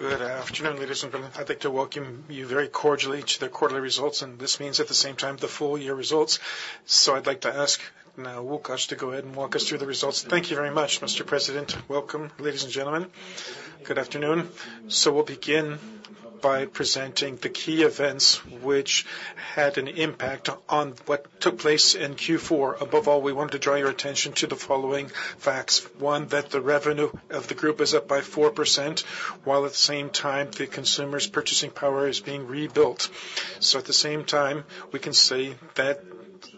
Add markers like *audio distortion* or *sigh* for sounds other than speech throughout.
Good afternoon, ladies and gentlemen. I'd like to welcome you very cordially to the quarterly results, and this means at the same time, the full year results. I'd like to ask now, Łukasz, to go ahead and walk us through the results. Thank you very much, Mr. President. Welcome, ladies and gentlemen. Good afternoon. We'll begin by presenting the key events which had an impact on what took place in Q4. Above all, we want to draw your attention to the following facts. One, that the revenue of the group is up by 4%, while at the same time, the consumer's purchasing power is being rebuilt. At the same time, we can say that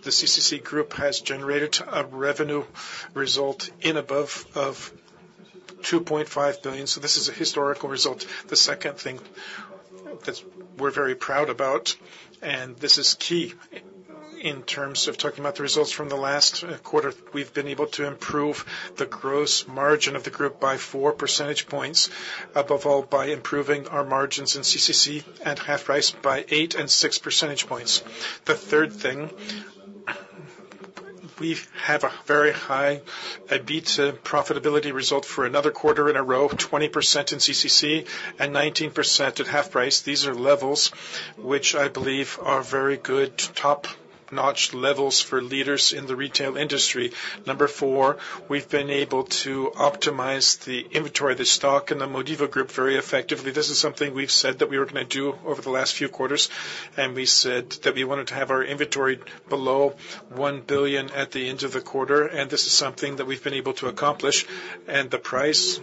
the CCC Group has generated a revenue result in above of 2.5 billion. This is a historical result. The second thing that we're very proud about, and this is key in terms of talking about the results from the last quarter, we've been able to improve the gross margin of the group by 4 percentage points, above all, by improving our margins in CCC and HalfPrice by 8 and 6 percentage points. The third thing, we have a very high EBITDA profitability result for another quarter in a row, 20% in CCC and 19% at HalfPrice. These are levels which I believe are very good top-notch levels for leaders in the retail industry. Number four, we've been able to optimize the inventory, the stock in the MODIVO Group, very effectively. This is something we've said that we were gonna do over the last few quarters, and we said that we wanted to have our inventory below 1 billion at the end of the quarter, and this is something that we've been able to accomplish. The price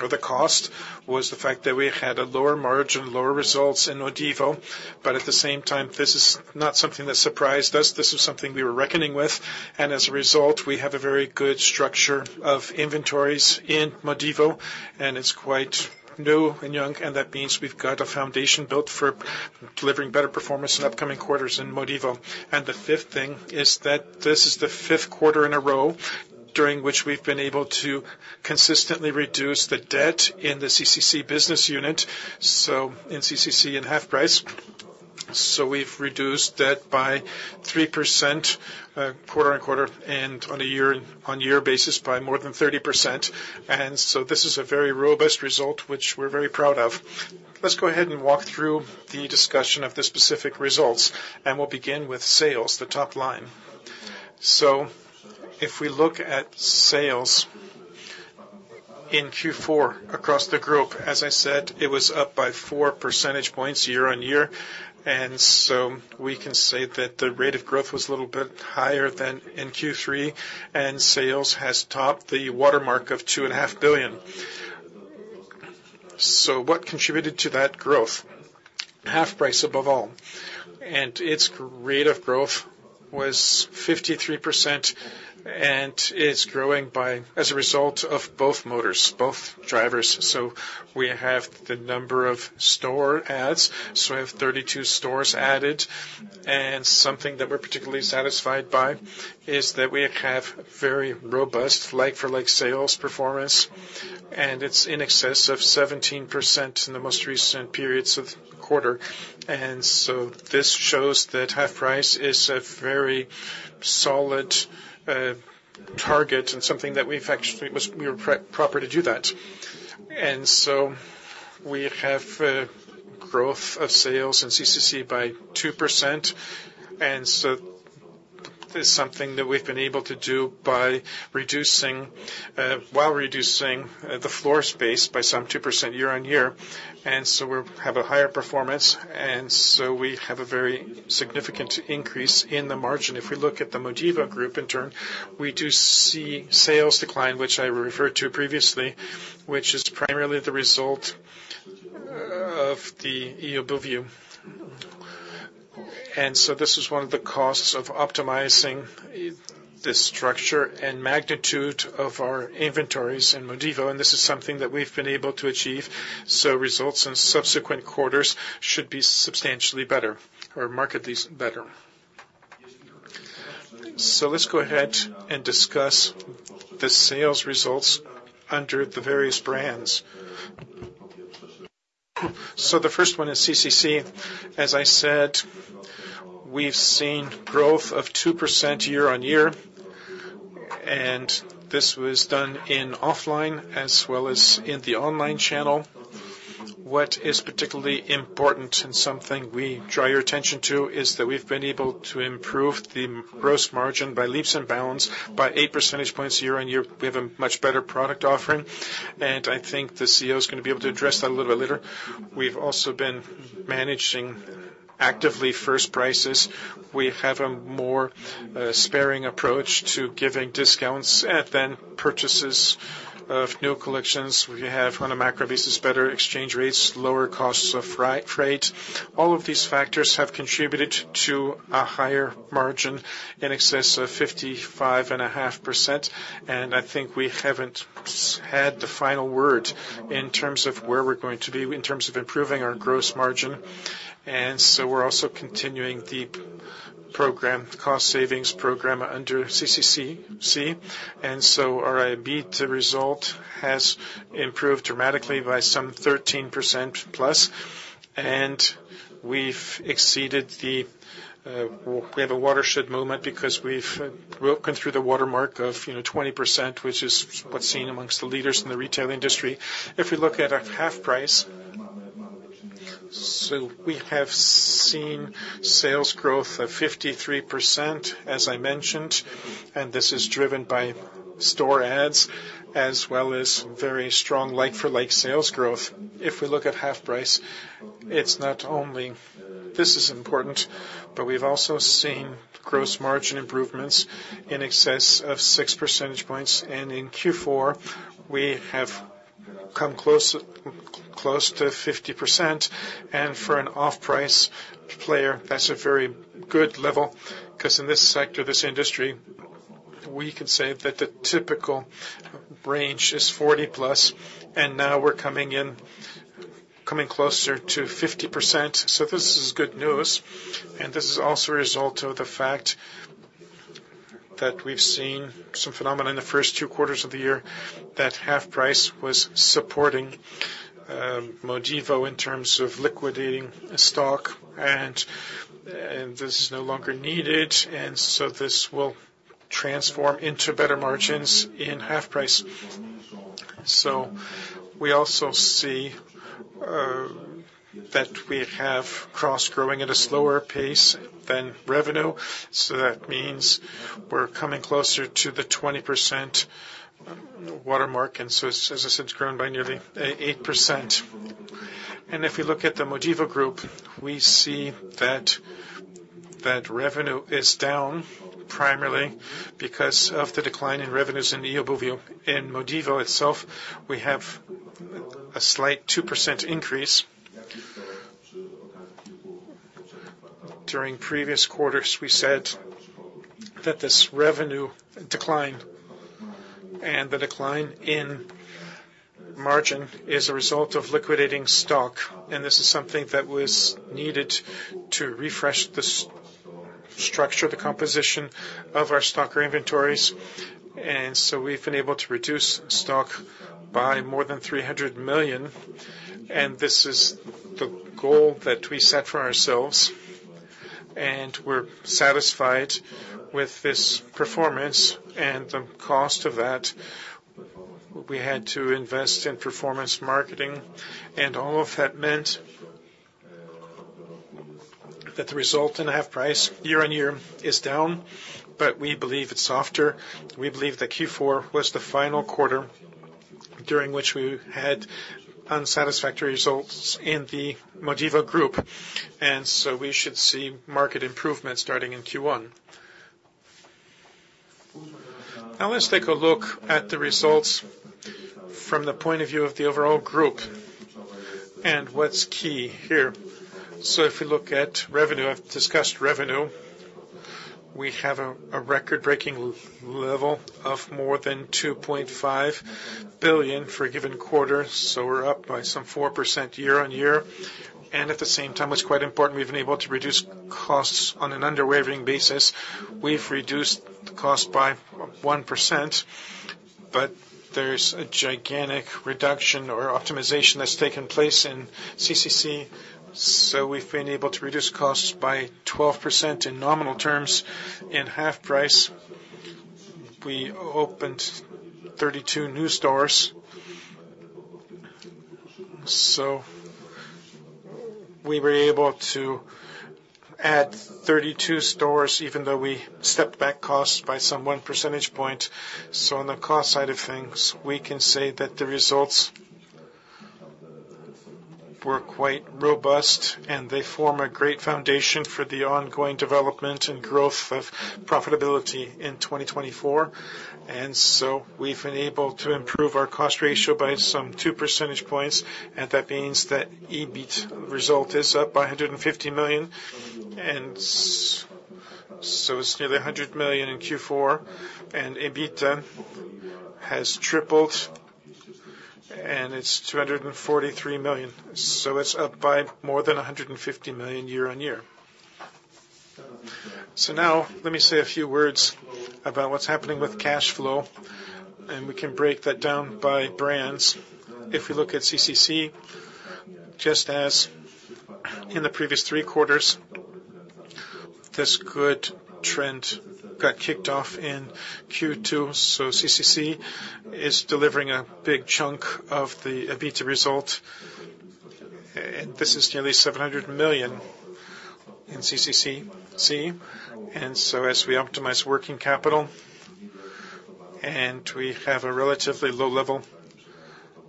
or the cost was the fact that we had a lower margin, lower results in MODIVO. At the same time, this is not something that surprised us. This is something we were reckoning with, and as a result, we have a very good structure of inventories in MODIVO, and it's quite new and young, and that means we've got a foundation built for delivering better performance in upcoming quarters in MODIVO. The fifth thing is that this is the fifth quarter in a row, during which we've been able to consistently reduce the debt in the CCC business unit, so in CCC and HalfPrice. We've reduced debt by 3%, quarter-on-quarter and on a year-on-year basis by more than 30%. This is a very robust result, which we're very proud of. Let's go ahead and walk through the discussion of the specific results, and we'll begin with sales, the top line. If we look at sales in Q4 across the group, as I said, it was up by 4 percentage points year-on-year, and we can say that the rate of growth was a little bit higher than in Q3, and sales has topped the watermark of 2.5 billion. What contributed to that growth? HalfPrice, above all, and its rate of growth was 53%, and it's growing by, as a result of both motors, both drivers. So we have the number of store adds, so we have 32 stores added, and something that we're particularly satisfied by is that we have very robust like-for-like sales performance, and it's in excess of 17% in the most recent periods of the quarter. And so this shows that HalfPrice is a very solid target and something that we've actually we were proud to do that. And so we have growth of sales in CCC by 2%, and so this is something that we've been able to do by reducing while reducing the floor space by some 2% year-on-year. And so we have a higher performance, and so we have a very significant increase in the margin. If we look at the MODIVO Group, in turn, we do see sales decline, which I referred to previously, which is primarily the result of the eobuwie. And so this is one of the costs of optimizing the structure and magnitude of our inventories in MODIVO, and this is something that we've been able to achieve. So results in subsequent quarters should be substantially better or markedly better. So let's go ahead and discuss the sales results under the various brands. So the first one is CCC. As I said, we've seen growth of 2% year-on-year, and this was done in offline as well as in the online channel. What is particularly important, and something we draw your attention to, is that we've been able to improve the gross margin by leaps and bounds, by eight percentage points year-on-year. We have a much better product offering, and I think the CEO is going to be able to address that a little bit later. We've also been managing actively first prices. We have a more sparing approach to giving discounts and then purchases of new collections. We have, on a macro basis, better exchange rates, lower costs of freight. All of these factors have contributed to a higher margin in excess of 55.5%, and I think we haven't had the final word in terms of where we're going to be in terms of improving our gross margin. And so we're also continuing the program, cost savings program under CCC. Our EBITDA result has improved dramatically by some +13%. And we've exceeded the, well, we have a watershed moment because we've broken through the watermark of, you know, 20%, which is what's seen amongst the leaders in the retail industry. If we look at HalfPrice, so we have seen sales growth of 53%, as I mentioned, and this is driven by store adds as well as very strong like-for-like sales growth. If we look at HalfPrice, it's not only this is important, but we've also seen gross margin improvements in excess of six percentage points, and in Q4, we have come close, close to 50%. And for an off-price player, that's a very good level, 'cause in this sector, this industry, we can say that the typical range is 40+, and now we're coming in, coming closer to 50%. So this is good news, and this is also a result of the fact that we've seen some phenomena in the first two quarters of the year, that HalfPrice was supporting MODIVO in terms of liquidating stock, and, and this is no longer needed, and so this will transform into better margins in HalfPrice. So we also see that we have COGS growing at a slower pace than revenue, so that means we're coming closer to the 20% mark, and so it, so it's grown by nearly 8%. And if you look at the MODIVO Group, we see that revenue is down, primarily because of the decline in revenues in eobuwie. In MODIVO itself, we have a slight 2% increase. During previous quarters, we said that this revenue declined, and the decline in margin is a result of liquidating stock, and this is something that was needed to refresh the assortment structure, the composition of our stock or inventories. So we've been able to reduce stock by more than 300 million, and this is the goal that we set for ourselves, and we're satisfied with this performance. The cost of that, we had to invest in performance marketing, and all of that meant that the result in HalfPrice, year-over-year, is down, but we believe it's softer. We believe that Q4 was the final quarter during which we had unsatisfactory results in the MODIVO Group, and so we should see market improvement starting in Q1. Now let's take a look at the results from the point of view of the overall group and what's key here. So if we look at revenue, I've discussed revenue, we have a record-breaking level of more than 2.5 billion for a given quarter, so we're up by some 4% year-over-year. And at the same time, what's quite important, we've been able to reduce costs on an unwavering basis. We've reduced the cost by 1%, but there's a gigantic reduction or optimization that's taken place in CCC, so we've been able to reduce costs by 12% in nominal terms. In HalfPrice, we opened 32 new stores. So we were able to add 32 stores, even though we stepped back costs by some 1 percentage point. So on the cost side of things, we can say that the results were quite robust, and they form a great foundation for the ongoing development and growth of profitability in 2024. And so we've been able to improve our cost ratio by some 2 percentage points, and that means that EBITDA result is up by 150 million, and so it's nearly 100 million in Q4, and EBITDA has tripled, and it's 243 million. So it's up by more than 150 million year on year. So now let me say a few words about what's happening with cash flow, and we can break that down by brands. If we look at CCC, just as in the previous three quarters, this good trend got kicked off in Q2, so CCC is delivering a big chunk of the EBITDA result, and this is nearly 700 million in CCC. So as we optimize working capital, and we have a relatively low level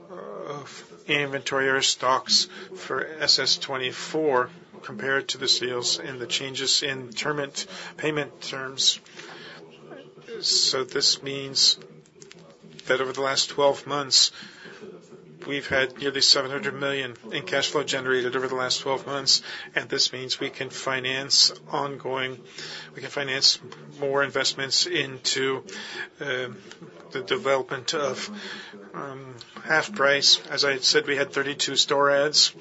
of inventory or stocks for SS24 compared to the sales and the changes in payment, payment terms. So this means that over the last twelve months, we've had nearly 700 million in cash flow generated over the last twelve months, and this means we can finance more investments into the development of HalfPrice. As I said, we had 32 store adds,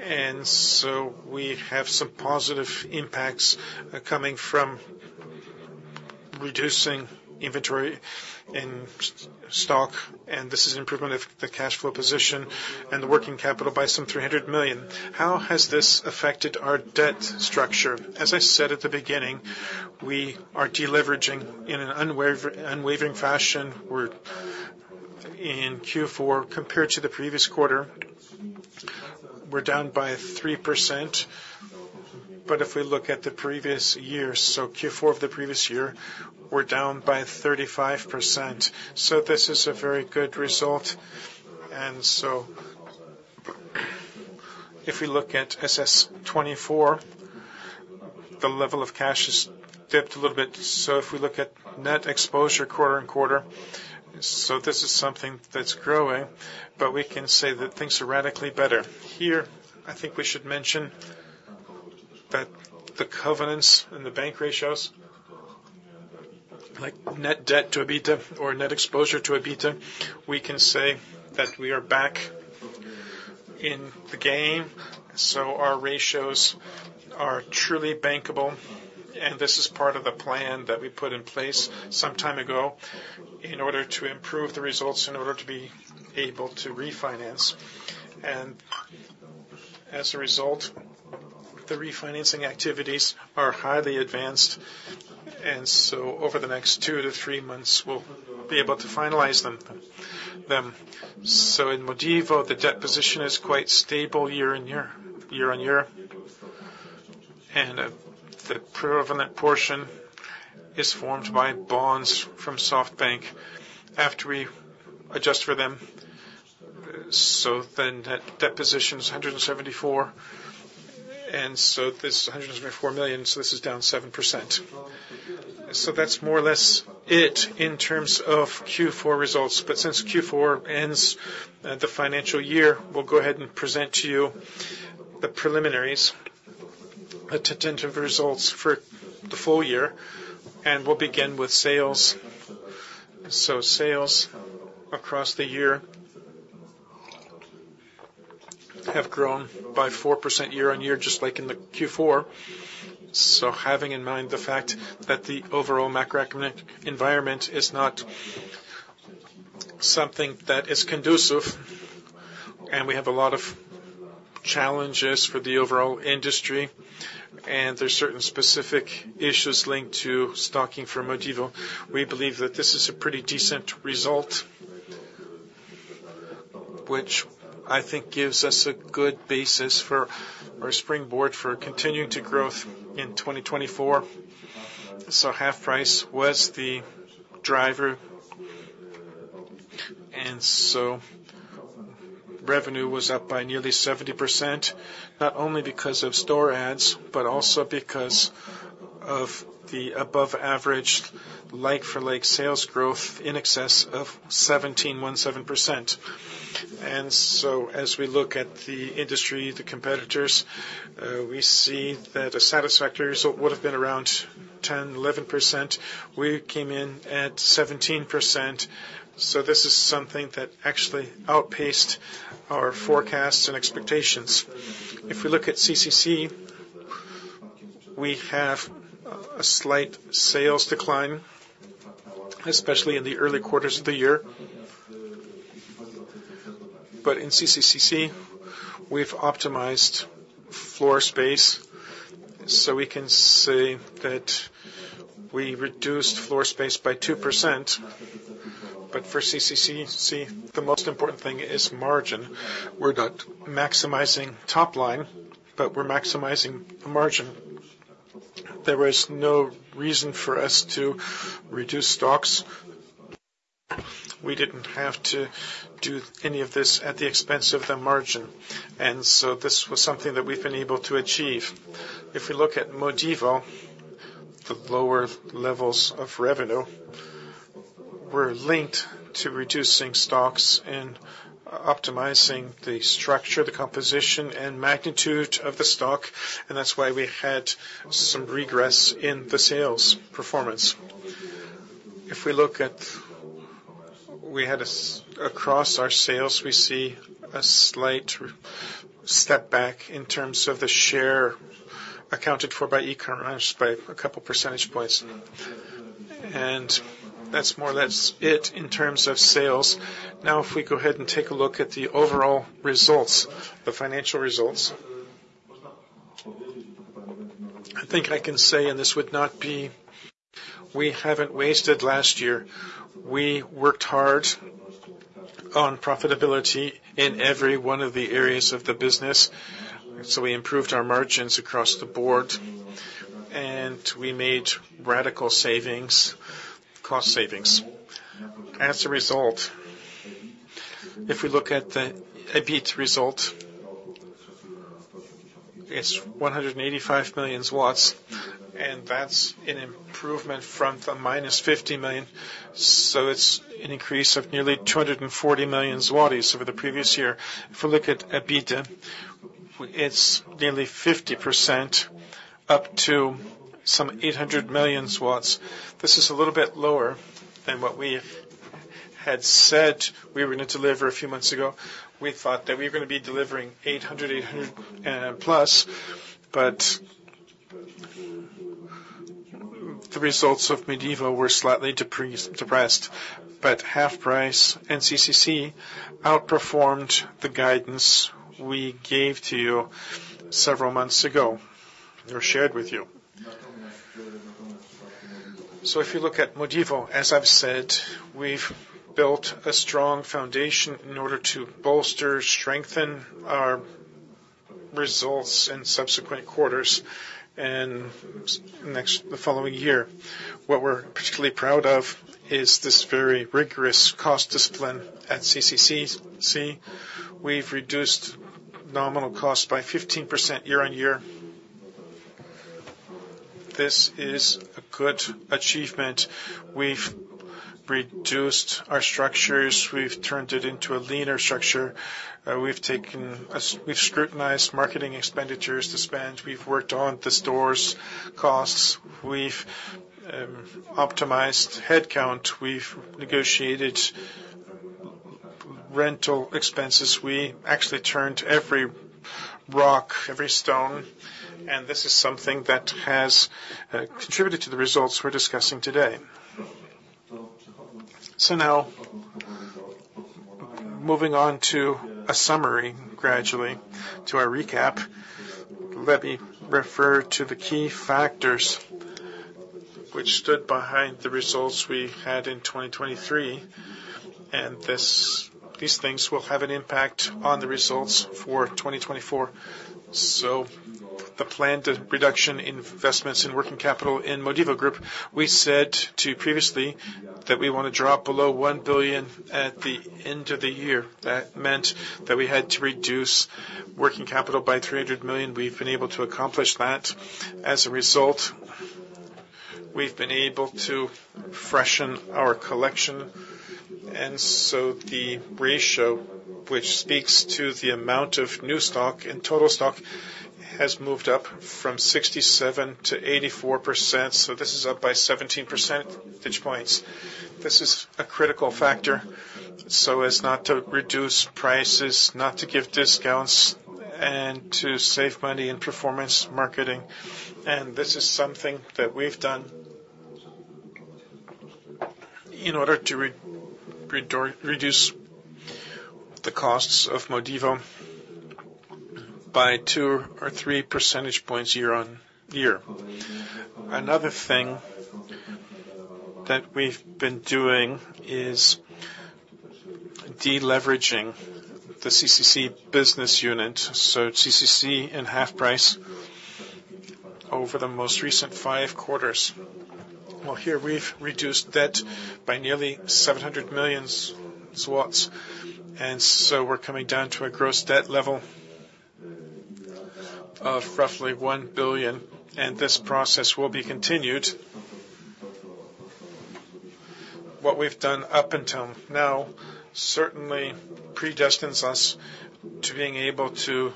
and so we have some positive impacts coming from reducing inventory in stock, and this is an improvement of the cash flow position and the working capital by some 300 million. How has this affected our debt structure? As I said at the beginning, we are deleveraging in an unwavering fashion. We're, in Q4, compared to the previous quarter, we're down by 3%. But if we look at the previous year, so Q4 of the previous year, we're down by 35%. So this is a very good result, and so if we look at SS-2024, the level of cash has dipped a little bit. So if we look at net exposure quarter and quarter, so this is something that's growing, but we can say that things are radically better. Here, I think we should mention that the covenants and the bank ratios, like net debt to EBITDA or net exposure to EBITDA, we can say that we are back in the game, so our ratios are truly bankable, and this is part of the plan that we put in place some time ago in order to improve the results, in order to be able to refinance. And as a result, the refinancing activities are highly advanced, and so over the next 2-3 months, we'll be able to finalize them. So in MODIVO, the debt position is quite stable year-on-year, and the preeminent portion is formed by bonds from SoftBank. After we adjust for them, so then that debt position is 174 million, and so this 174 million, so this is down 7%. So that's more or less it in terms of Q4 results, but since Q4 ends the financial year, we'll go ahead and present to you the preliminaries, tentative results for the full year, and we'll begin with sales. So sales across the year have grown by 4% year-on-year, just like in the Q4. So having in mind the fact that the overall macroeconomic environment is not something that is conducive, and we have a lot of challenges for the overall industry, and there's certain specific issues linked to stocking for MODIVO, we believe that this is a pretty decent result, which I think gives us a good basis for our springboard for continuing to growth in 2024. So HalfPrice was the driver, and so revenue was up by nearly 70%, not only because of store adds, but also because of the above average like-for-like sales growth in excess of 17.7%. And so as we look at the industry, the competitors, we see that a satisfactory result would have been around 10%-11%. We came in at 17%, so this is something that actually outpaced our forecasts and expectations. If we look at CCC, we have a slight sales decline, especially in the early quarters of the year. But in CCC, we've optimized floor space, so we can say that we reduced floor space by 2%. But for CCC, the most important thing is margin. We're not maximizing top line, but we're maximizing margin. There was no reason for us to reduce stocks. We didn't have to do any of this at the expense of the margin. And so this was something that we've been able to achieve. If we look at MODIVO, the lower levels of revenue were linked to reducing stocks and optimizing the structure, the composition, and magnitude of the stock, and that's why we had some regress in the sales performance. We see a slight step back in terms of the share accounted for by e-commerce by a couple percentage points. And that's more or less it in terms of sales. Now, if we go ahead and take a look at the overall results, the financial results, I think I can say, and this would not be, we haven't wasted last year. We worked hard on profitability in every one of the areas of the business, so we improved our margins across the board, and we made radical savings, cost savings. As a result, if we look at the EBITDA result, it's 185 million, and that's an improvement from the minus 50 million, so it's an increase of nearly 240 million over the previous year. If we look at EBITDA, it's nearly 50% up to some 800 million. This is a little bit lower than what we had said we were going to deliver a few months ago, we thought that we were going to be delivering 800 million plus. But the results of MODIVO were slightly depressed, but HalfPrice and CCC outperformed the guidance we gave to you several months ago or shared with you. So if you look at MODIVO, as I've said, we've built a strong foundation in order to bolster, strengthen our results in subsequent quarters and next, the following year. What we're particularly proud of is this very rigorous cost discipline at CCC. We've reduced nominal costs by 15% year-on-year. This is a good achievement. We've reduced our structures, we've turned it into a leaner structure. We've scrutinized marketing expenditures to spend. We've worked on the stores costs. We've optimized headcount. We've negotiated rental expenses. We actually turned every rock, every stone, and this is something that has contributed to the results we're discussing today. So now, moving on to a summary, gradually to our recap, let me refer to the key factors which stood behind the results we had in 2023, and these things will have an impact on the results for 2024. So the planned reduction in investments in working capital in MODIVO Group, we said to you previously, that we want to drop below 1 billion at the end of the year. That meant that we had to reduce working capital by 300 million. We've been able to accomplish that. As a result, we've been able to freshen our collection, and so the ratio, which speaks to the amount of new stock, and total stock, has moved up from 67%-84%, so this is up by 17 percentage points. This is a critical factor, so as not to reduce prices, not to give discounts, and to save money in performance marketing. And this is something that we've done in order to reduce the costs of MODIVO by two or three percentage points year-on-year. Another thing that we've been doing is deleveraging the CCC business unit, so CCC and HalfPrice over the most recent five quarters. Well, here we've reduced debt by nearly 700 million zlotys, and so we're coming down to a gross debt level of roughly 1 billion, and this process will be continued. What we've done up until now, certainly predestines us to being able to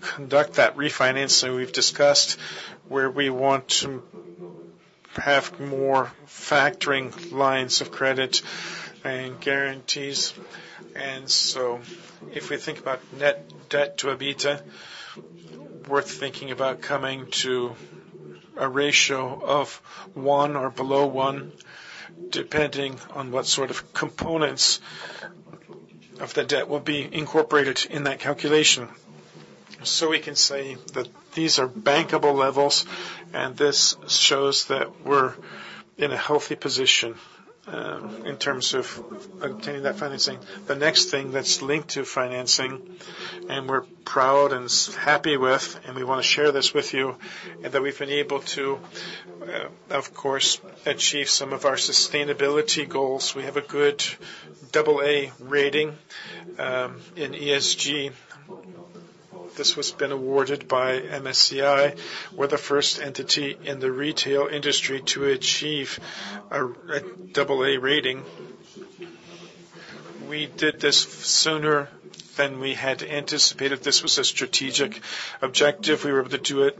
conduct that refinancing we've discussed, where we want to have more factoring lines of credit and guarantees. So if we think about net debt to EBITDA, worth thinking about coming to a ratio of one or below one, depending on what sort of components of the debt will be incorporated in that calculation. So we can say that these are bankable levels, and this shows that we're in a healthy position in terms of obtaining that financing. The next thing that's linked to financing, and we're proud and happy with, and we want to share this with you, is that we've been able to, of course, achieve some of our sustainability goals. We have a good AA rating in ESG. This was been awarded by MSCI. We're the first entity in the retail industry to achieve a AA rating. We did this sooner than we had anticipated. This was a strategic objective. We were able to do it,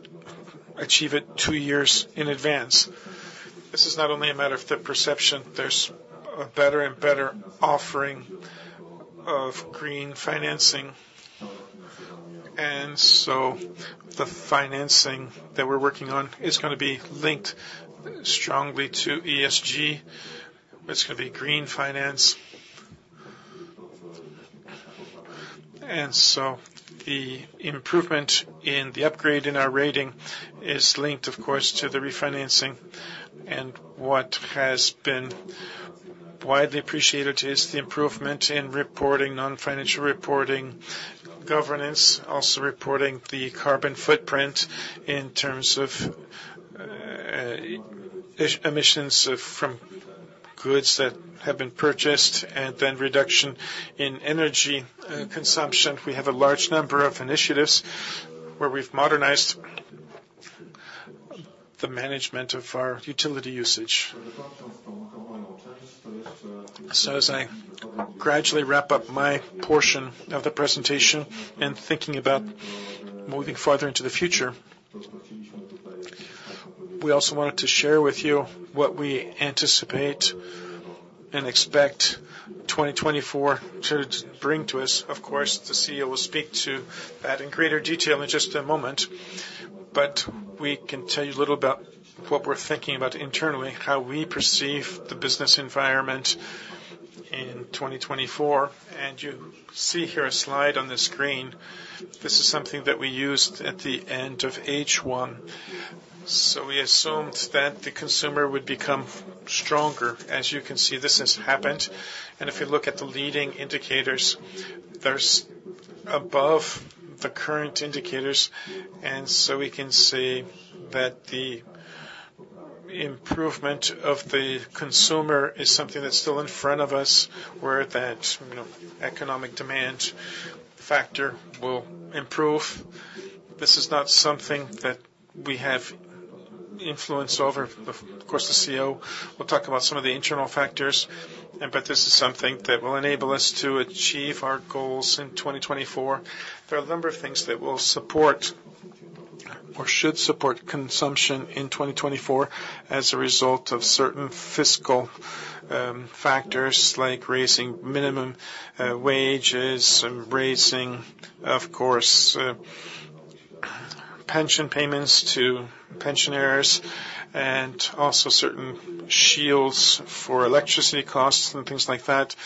achieve it two years in advance. This is not only a matter of the perception, there's a better and better offering of green financing, and so the financing that we're working on is going to be linked strongly to ESG. It's going to be green finance. And so the improvement in the upgrade in our rating is linked, of course, to the refinancing. And what has been widely appreciated is the improvement in reporting, non-financial reporting, governance, also reporting the carbon footprint in terms of emissions from goods that have been purchased, and then reduction in energy consumption. We have a large number of initiatives where we've modernized the management of our utility usage. So as I gradually wrap up my portion of the presentation and thinking about moving further into the future, we also wanted to share with you what we anticipate and expect 2024 to bring to us. Of course, the CEO will speak to that in greater detail in just a moment, but we can tell you a little about what we're thinking about internally, how we perceive the business environment in 2024. You see here a slide on the screen. This is something that we used at the end of H1. So we assumed that the consumer would become stronger. As you can see, this has happened, and if you look at the leading indicators, there's above the current indicators, and so we can say that the improvement of the consumer is something that's still in front of us, where that, you know, economic demand factor will improve. This is not something that we have influence over. Of course, the CEO will talk about some of the internal factors, but this is something that will enable us to achieve our goals in 2024. There are a number of things that will support, or should support consumption in 2024 as a result of certain fiscal factors, like raising minimum wages and raising, of course, pension payments to pensioners and also certain shields for electricity costs and things like that.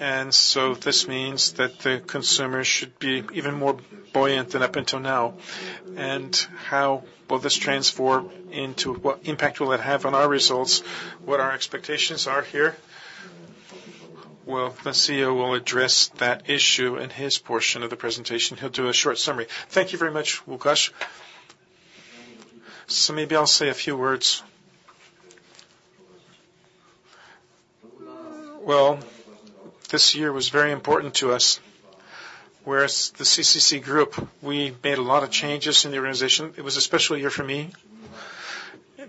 And so this means that the consumer should be even more buoyant than up until now. And how will this transform into, what impact will it have on our results? What our expectations are here? Well, the CEO will address that issue in his portion of the presentation. He'll do a short summary. Thank you very much, Łukasz. So maybe I'll say a few words. Well, this year was very important to us. Whereas the CCC Group, we made a lot of changes in the organization. It was a special year for me,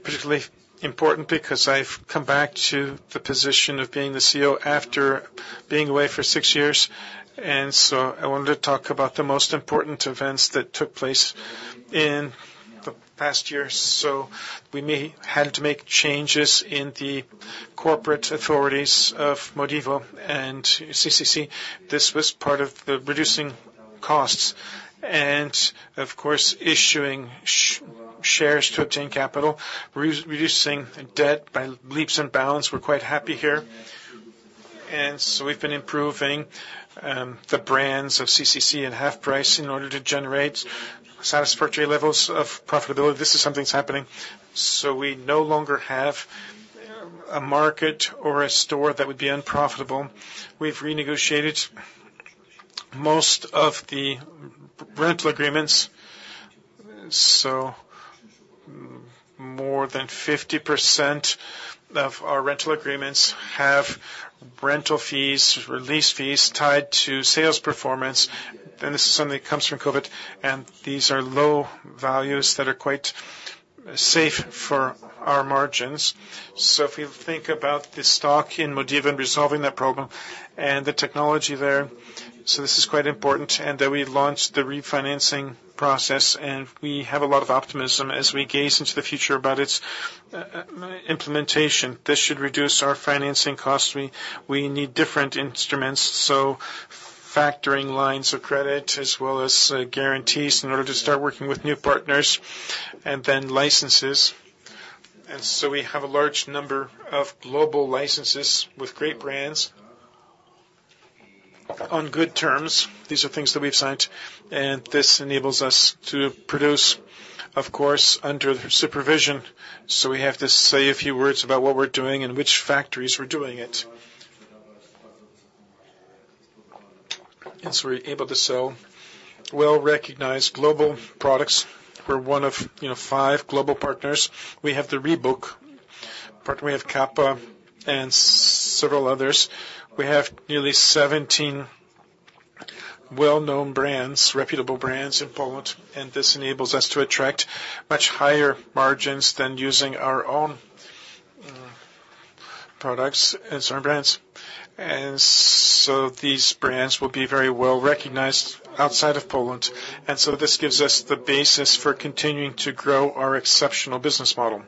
particularly important because I've come back to the position of being the CEO after being away for six years, and so I wanted to talk about the most important events that took place in the past year. So we may had to make changes in the corporate authorities of MODIVO and CCC. This was part of the reducing costs and, of course, issuing shares to obtain capital, reducing debt by leaps and bounds. We're quite happy here. And so we've been improving the brands of CCC and HalfPrice in order to generate satisfactory levels of profitability. This is something that's happening, so we no longer have a market or a store that would be unprofitable. We've renegotiated most of the rental agreements, so more than 50% of our rental agreements have rental fees, lease fees, tied to sales performance. And this is something that comes from COVID, and these are low values that are quite safe for our margins. So if you think about the stock in MODIVO and resolving that problem and the technology there, so this is quite important. And then we launched the refinancing process, and we have a lot of optimism as we gaze into the future about its implementation. This should reduce our financing costs. We need different instruments, so factoring lines of credit as well as guarantees in order to start working with new partners, and then licenses. We have a large number of global licenses with great brands on good terms. These are things that we've signed, and this enables us to produce, of course, under supervision. We have to say a few words about what we're doing and which factories we're doing it. We're able to sell well-recognized global products. We're one of, you know, 5 global partners. We have the Reebok partner, we have Kappa and several others. We have nearly 17 well-known brands, reputable brands in Poland, and this enables us to attract much higher margins than using our own products and certain brands. These brands will be very well recognized outside of Poland, and this gives us the basis for continuing to grow our exceptional business model.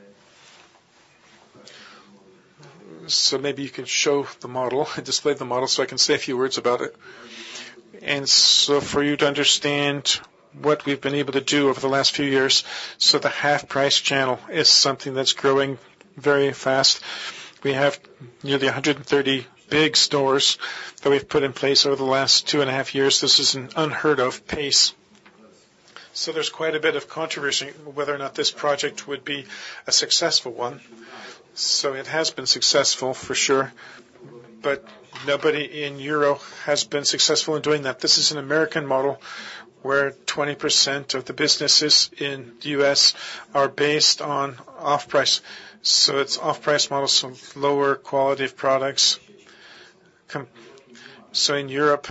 So maybe you can show the model, display the model, so I can say a few words about it. And so for you to understand what we've been able to do over the last few years, so the HalfPrice channel is something that's growing very fast. We have nearly 130 big stores that we've put in place over the last 2.5 years. This is an unheard of pace. So there's quite a bit of controversy whether or not this project would be a successful one. So it has been successful for sure, but nobody in Europe has been successful in doing that. This is an American model where 20% of the businesses in the U.S. are based on off-price. So it's off-price models, so lower quality of products. So in Europe,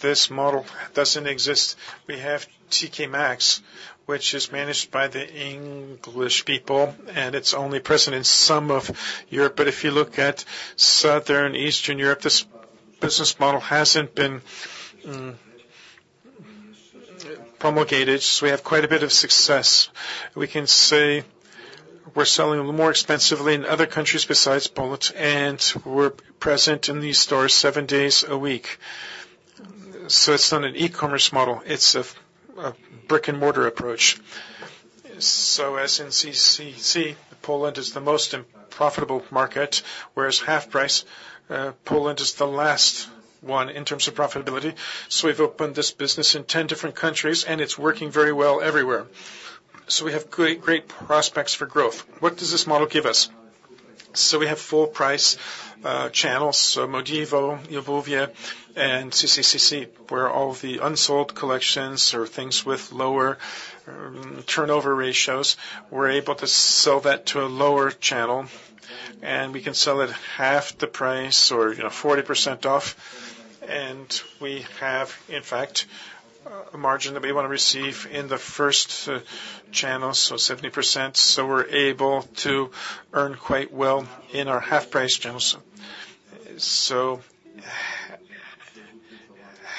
this model doesn't exist. We have TK Maxx, which is managed by the English people, and it's only present in some of Europe. But if you look at Southern Eastern Europe, this business model hasn't been promulgated, so we have quite a bit of success. We can say we're selling more expensively in other countries besides Poland, and we're present in these stores seven days a week. So it's not an e-commerce model, it's a brick-and-mortar approach. So as in CCC, Poland is the most profitable market, whereas HalfPrice, Poland is the last one in terms of profitability. So we've opened this business in 10 different countries, and it's working very well everywhere. So we have great, great prospects for growth. What does this model give us? So we have full price channels, so MODIVO, eobuwie, and CCC, where all the unsold collections or things with lower turnover ratios, we're able to sell that to a lower channel, and we can sell it half the price or, you know, 40% off. And we have, in fact, a margin that we wanna receive in the first channel, so 70%. So we're able to earn quite well in our HalfPrice channels. So,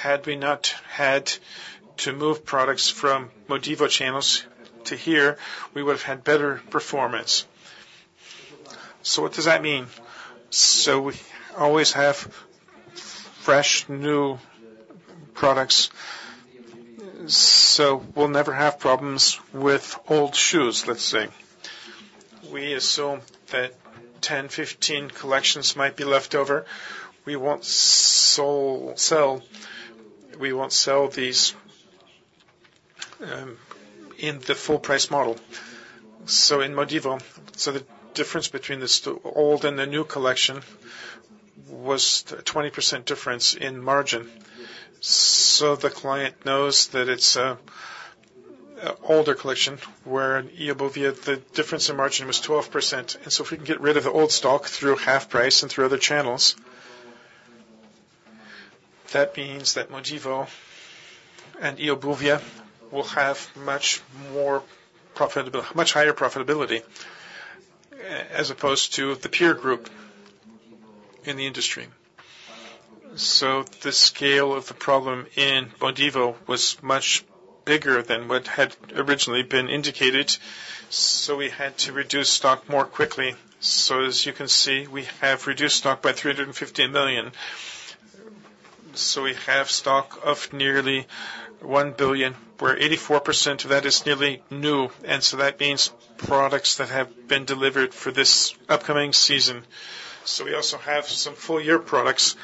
had we not had to move products from MODIVO channels to here, we would have had better performance. So what does that mean? So we always have fresh, new products, so we'll never have problems with old shoes, let's say. We assume that 10, 15 collections might be left over. We won't sell these in the full price model. So in MODIVO, the difference between this, the old and the new collection was a 20% difference in margin. The client knows that it's a older collection, where in eobuwie, the difference in margin was 12%. If we can get rid of the old stock through HalfPrice and through other channels, that means that MODIVO and eobuwie will have much more profitable- much higher profitability, as opposed to the peer group in the industry. The scale of the problem in MODIVO was much bigger than what had originally been indicated, so we had to reduce stock more quickly. As you can see, we have reduced stock by 350 million. We have stock of nearly 1 billion, where 84% of that is nearly new, and that means products that have been delivered for this upcoming season. So we also have some full year products,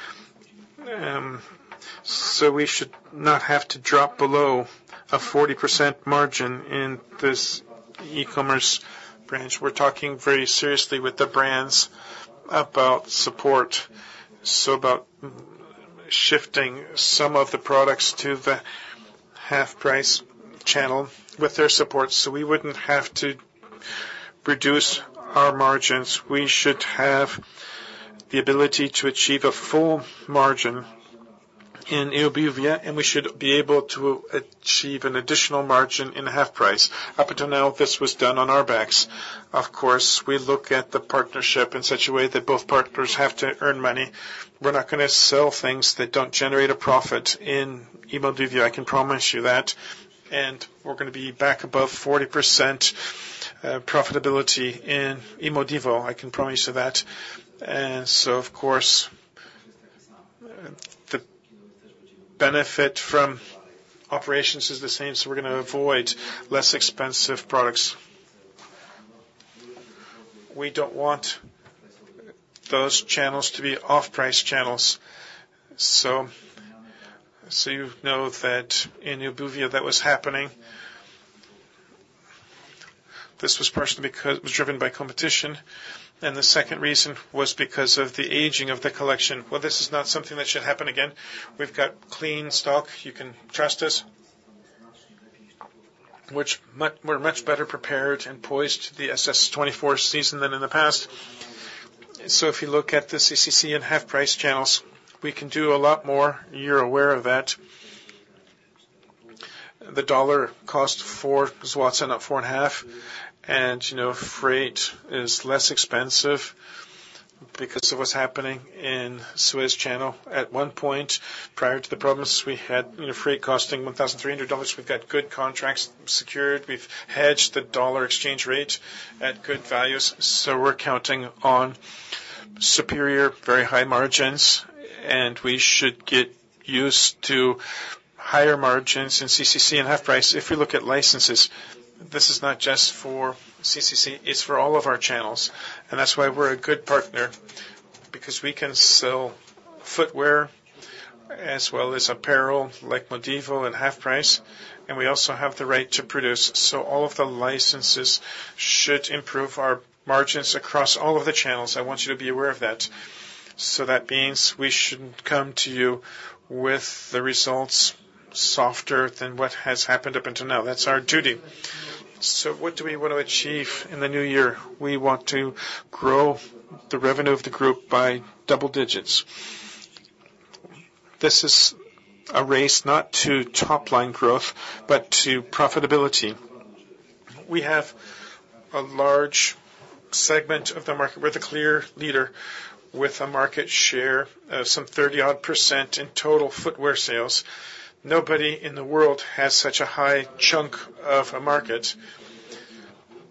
so we should not have to drop below a 40% margin in this e-commerce branch. We're talking very seriously with the brands about support, so about shifting some of the products to the HalfPrice channel with their support, so we wouldn't have to reduce our margins. We should have the ability to achieve a full margin in eobuwie, and we should be able to achieve an additional margin in HalfPrice. Up until now, this was done on our backs. Of course, we look at the partnership in such a way that both partners have to earn money. We're not gonna sell things that don't generate a profit in MODIVO, I can promise you that. And we're gonna be back above 40% profitability in MODIVO, I can promise you that. Of course, the benefit from operations is the same, so we're gonna avoid less expensive products. We don't want those channels to be off-price channels. So you know that in eobuwie that was happening. This was partially driven by competition, and the second reason was because of the aging of the collection. Well, this is not something that should happen again. We've got clean stock. You can trust us. We're much better prepared and poised for the SS 2024 season than in the past. So if you look at the CCC and HalfPrice channels, we can do a lot more. You're aware of that. The dollar cost 4 PLN and not 4.5, and, you know, freight is less expensive because of what's happening in Suez Canal. At one point, prior to the problems, we had the freight costing $1,300. We've got good contracts secured. We've hedged the U.S. dollar exchange rate at good values, so we're counting on superior, very high margins, and we should get used to higher margins in CCC and HalfPrice. If we look at licenses, this is not just for CCC, it's for all of our channels, and that's why we're a good partner, because we can sell footwear as well as apparel, like MODIVO and HalfPrice, and we also have the right to produce. So all of the licenses should improve our margins across all of the channels. I want you to be aware of that. So that means we shouldn't come to you with the results softer than what has happened up until now. That's our duty. So what do we want to achieve in the new year? We want to grow the revenue of the group by double digits. This is a race not to top line growth, but to profitability. We have a large segment of the market. We're the clear leader with a market share of some 30-odd percent in total footwear sales. Nobody in the world has such a high chunk of a market,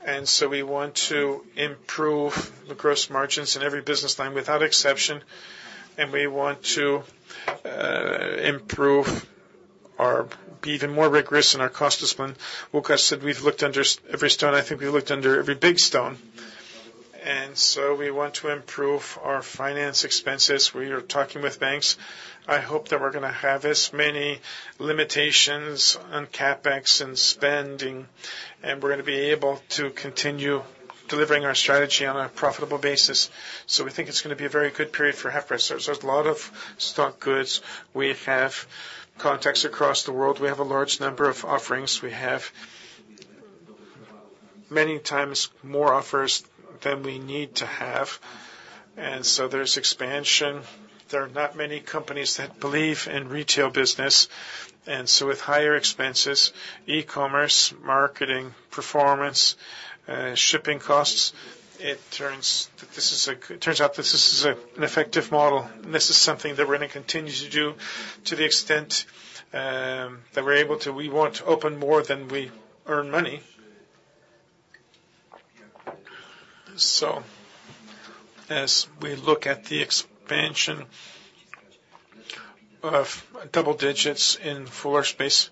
and so we want to improve the gross margins in every business line, without exception, and we want to improve or be even more rigorous in our cost discipline. Łukasz said we've looked under every stone. I think we looked under every big stone, and so we want to improve our finance expenses. We are talking with banks. I hope that we're gonna have as many limitations on CapEx and spending, and we're gonna be able to continue delivering our strategy on a profitable basis. So we think it's gonna be a very good period for HalfPrice. There's, there's a lot of stock goods. We have contacts across the world. We have a large number of offerings. We have many times more offers than we need to have, and so there's expansion. There are not many companies that believe in retail business, and so with higher expenses, e-commerce, marketing, performance, shipping costs, it turns out this is an effective model, and this is something that we're gonna continue to do to the extent that we're able to. We want to open more than we earn money. So as we look at the expansion of double digits in floor space,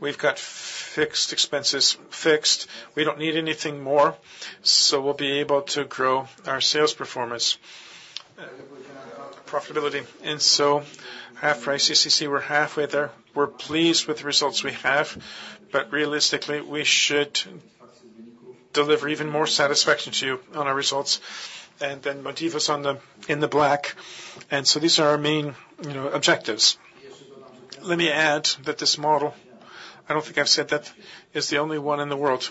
we've got fixed expenses fixed. We don't need anything more, so we'll be able to grow our sales performance, profitability. And so HalfPrice, CCC, we're halfway there. We're pleased with the results we have, but realistically, we should deliver even more satisfaction to you on our results. And then MODIVO's in the black, and so these are our main, you know, objectives. Let me add that this model, I don't think I've said that, is the only one in the world.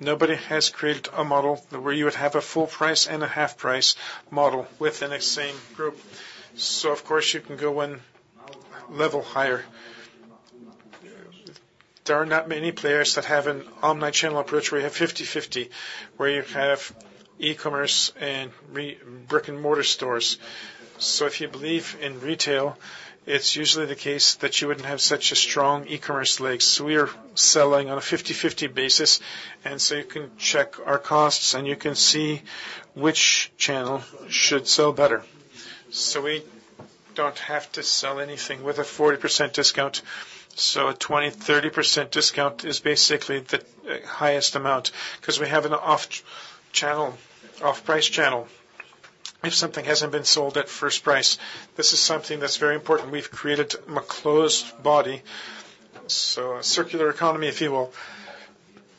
Nobody has created a model where you would have a full-price and a half-price model within the same group. So of course, you can go one level higher. There are not many players that have an omni-channel approach, where you have 50/50, where you have e-commerce and brick-and-mortar stores. So if you believe in retail, it's usually the case that you wouldn't have such a strong e-commerce leg. So we are selling on a 50/50 basis, and so you can check our costs, and you can see which channel should sell better. So we don't have to sell anything with a 40% discount. So a 20%-30% discount is basically the highest amount, 'cause we have an off-channel, off-price channel if something hasn't been sold at first price. This is something that's very important. We've created a closed body, so a circular economy, if you will.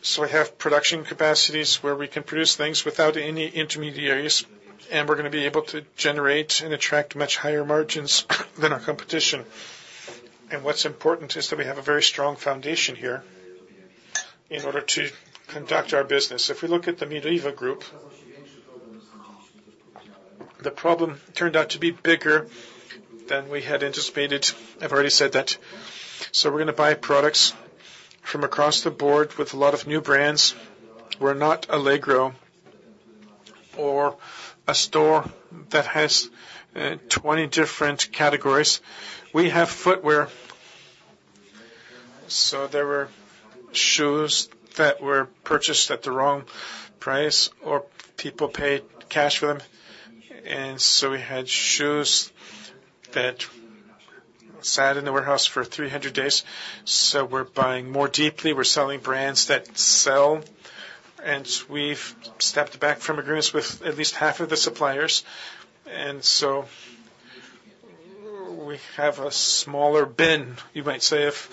So we have production capacities where we can produce things without any intermediaries, and we're gonna be able to generate and attract much higher margins than our competition. And what's important is that we have a very strong foundation here in order to conduct our business. If we look at the MODIVO group, the problem turned out to be bigger than we had anticipated. I've already said that. So we're gonna buy products from across the board with a lot of new brands. We're not Allegro or a store that has 20 different categories. We have footwear. So there were shoes that were purchased at the wrong price or people paid cash for them, and so we had shoes that sat in the warehouse for 300 days. So we're buying more deeply, we're selling brands that sell, and we've stepped back from agreements with at least half of the suppliers. And so we have a smaller bin, you might say, of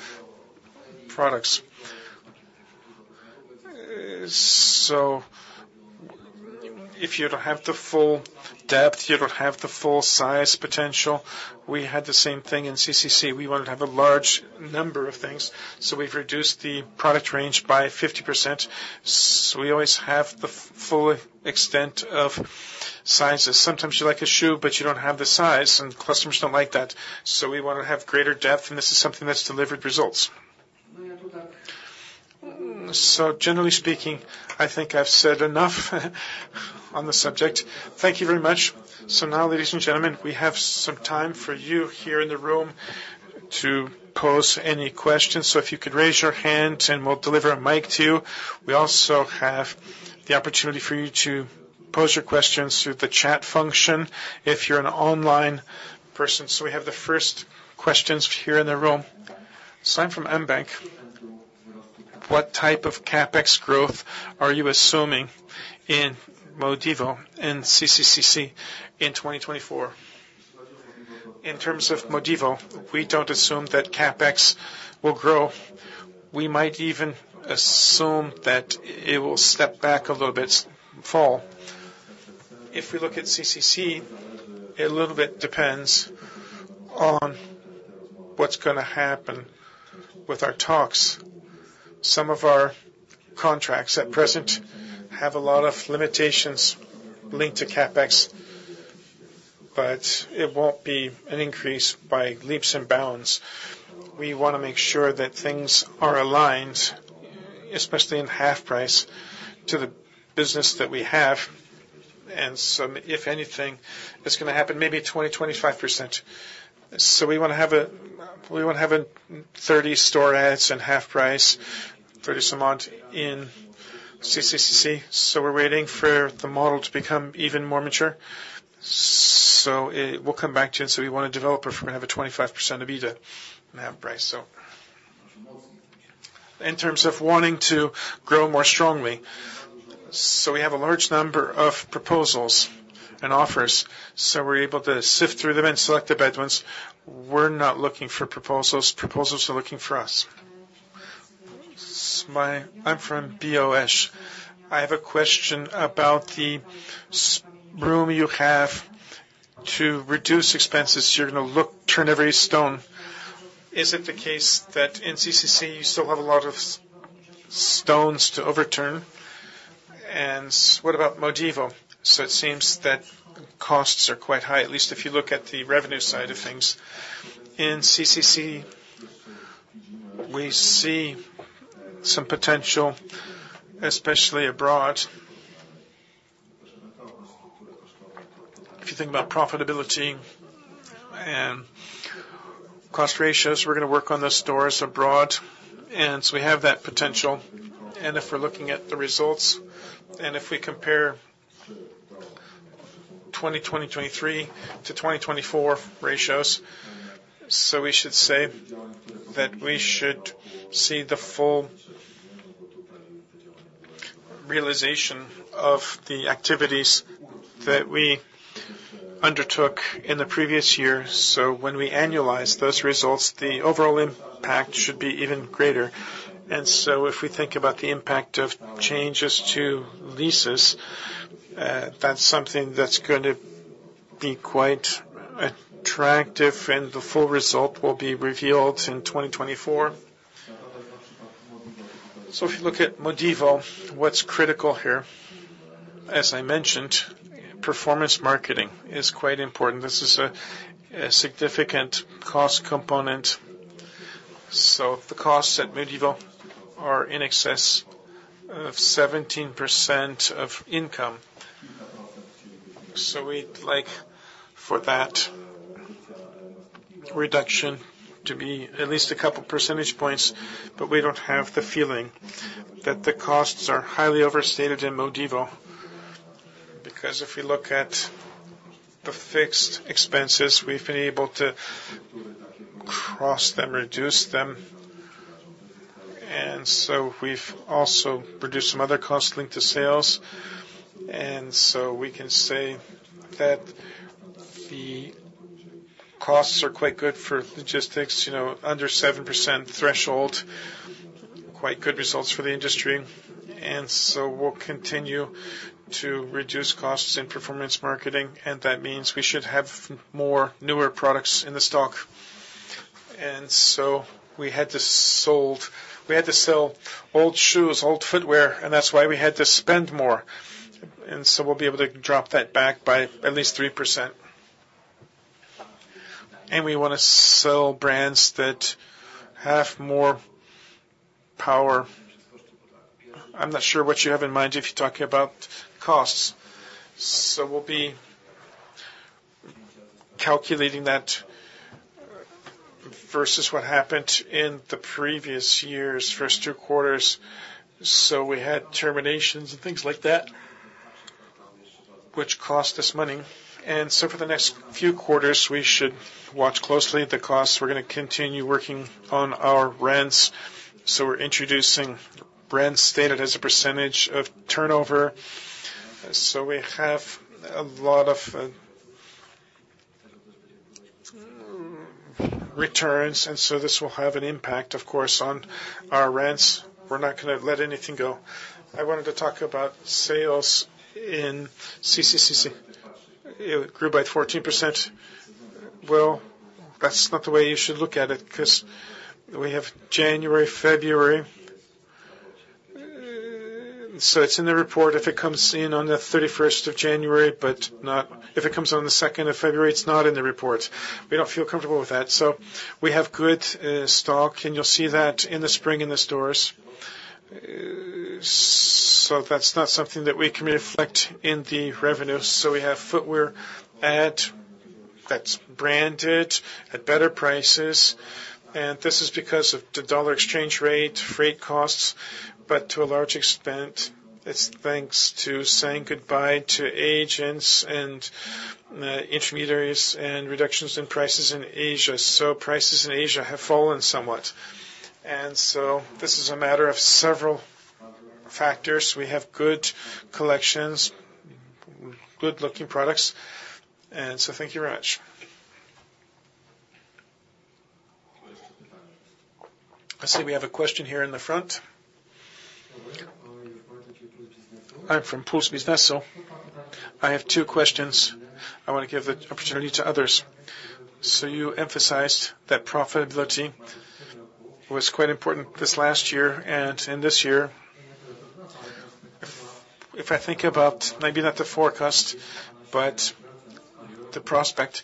products. So if you don't have the full depth, you don't have the full size potential. We had the same thing in CCC. We wanted to have a large number of things, so we've reduced the product range by 50%. So we always have the full extent of sizes. Sometimes you like a shoe, but you don't have the size, and customers don't like that. So we want to have greater depth, and this is something that's delivered results. So generally speaking, I think I've said enough on the subject. Thank you very much. So now, ladies and gentlemen, we have some time for you here in the room to pose any questions. So if you could raise your hand, and we'll deliver a mic to you. We also have the opportunity for you to pose your questions through the chat function if you're an online person. So we have the first questions here in the room. Simon from mBank. What type of CapEx growth are you assuming in MODIVO and CCC in 2024? In terms of MODIVO, we don't assume that CapEx will grow. We might even assume that it will step back a little bit, fall. If we look at CCC, a little bit depends on what's gonna happen with our talks. Some of our contracts at present have a lot of limitations linked to CapEx but it won't be an increase by leaps and bounds. We want to make sure that things are aligned, especially in HalfPrice, to the business that we have, and so if anything, it's gonna happen, maybe 20%-25%. So we wanna have, we want to have a 30 store adds in HalfPrice for this amount in CCC. So we're waiting for the model to become even more mature. We'll come back to you, so we want to develop if we're gonna have a 25% EBITDA in HalfPrice, so. In terms of wanting to grow more strongly, so we have a large number of proposals and offers, so we're able to sift through them and select the better ones. We're not looking for proposals, proposals are looking for us. I'm from BOŚ. I have a question about the room you have to reduce expenses. You're gonna look, turn every stone. Is it the case that in CCC, you still have a lot of stones to overturn? And what about MODIVO? So it seems that costs are quite high, at least if you look at the revenue side of things. In CCC, we see some potential, especially abroad. If you think about profitability and cost ratios, we're gonna work on the stores abroad, and so we have that potential. If we're looking at the results, and if we compare 2023 to 2024 ratios, so we should say that we should see the full realization of the activities that we undertook in the previous year. So when we annualize those results, the overall impact should be even greater. And so if we think about the impact of changes to leases, that's something that's going to be quite attractive, and the full result will be revealed in 2024. So if you look at MODIVO, what's critical here, as I mentioned, performance marketing is quite important. This is a significant cost component, so the costs at MODIVO are in excess of 17% of income. So we'd like for that reduction to be at least a couple percentage points, but we don't have the feeling that the costs are highly overstated in MODIVO. Because if you look at the fixed expenses, we've been able to cross them, reduce them, and so we've also reduced some other costs linked to sales. And so we can say that the costs are quite good for logistics, you know, under 7% threshold, quite good results for the industry. And so we'll continue to reduce costs in performance marketing, and that means we should have more newer products in the stock. And so we had to sell old shoes, old footwear, and that's why we had to spend more. And so we'll be able to drop that back by at least 3%. And we wanna sell brands that have more power. I'm not sure what you have in mind if you're talking about costs. We'll be calculating that versus what happened in the previous years, first 2 quarters. We had terminations and things like that, which cost us money. For the next few quarters, we should watch closely at the costs. We're gonna continue working on our rents, so we're introducing rent stated as a percentage of turnover. We have a lot of returns, and so this will have an impact, of course, on our rents. We're not gonna let anything go. I wanted to talk about sales in CCC. It grew by 14%. Well, that's not the way you should look at it, 'cause we have January, February. It's in the report, if it comes in on the 31st of January, but not if it comes on the second of February, it's not in the report. We don't feel comfortable with that. So we have good stock, and you'll see that in the spring in the stores. So that's not something that we can reflect in the revenues. So we have footwear ad that's branded at better prices, and this is because of the dollar exchange rate, freight costs, but to a large extent, it's thanks to saying goodbye to agents and intermediaries and reductions in prices in Asia. So prices in Asia have fallen somewhat. And so this is a matter of several factors. We have good collections, good-looking products, and so thank you very much. I see we have a question here in the front. I'm from Puls Biznesu. I have two questions. I want to give the opportunity to others. So you emphasized that profitability was quite important this last year and in this year? If I think about maybe not the forecast, but the prospect,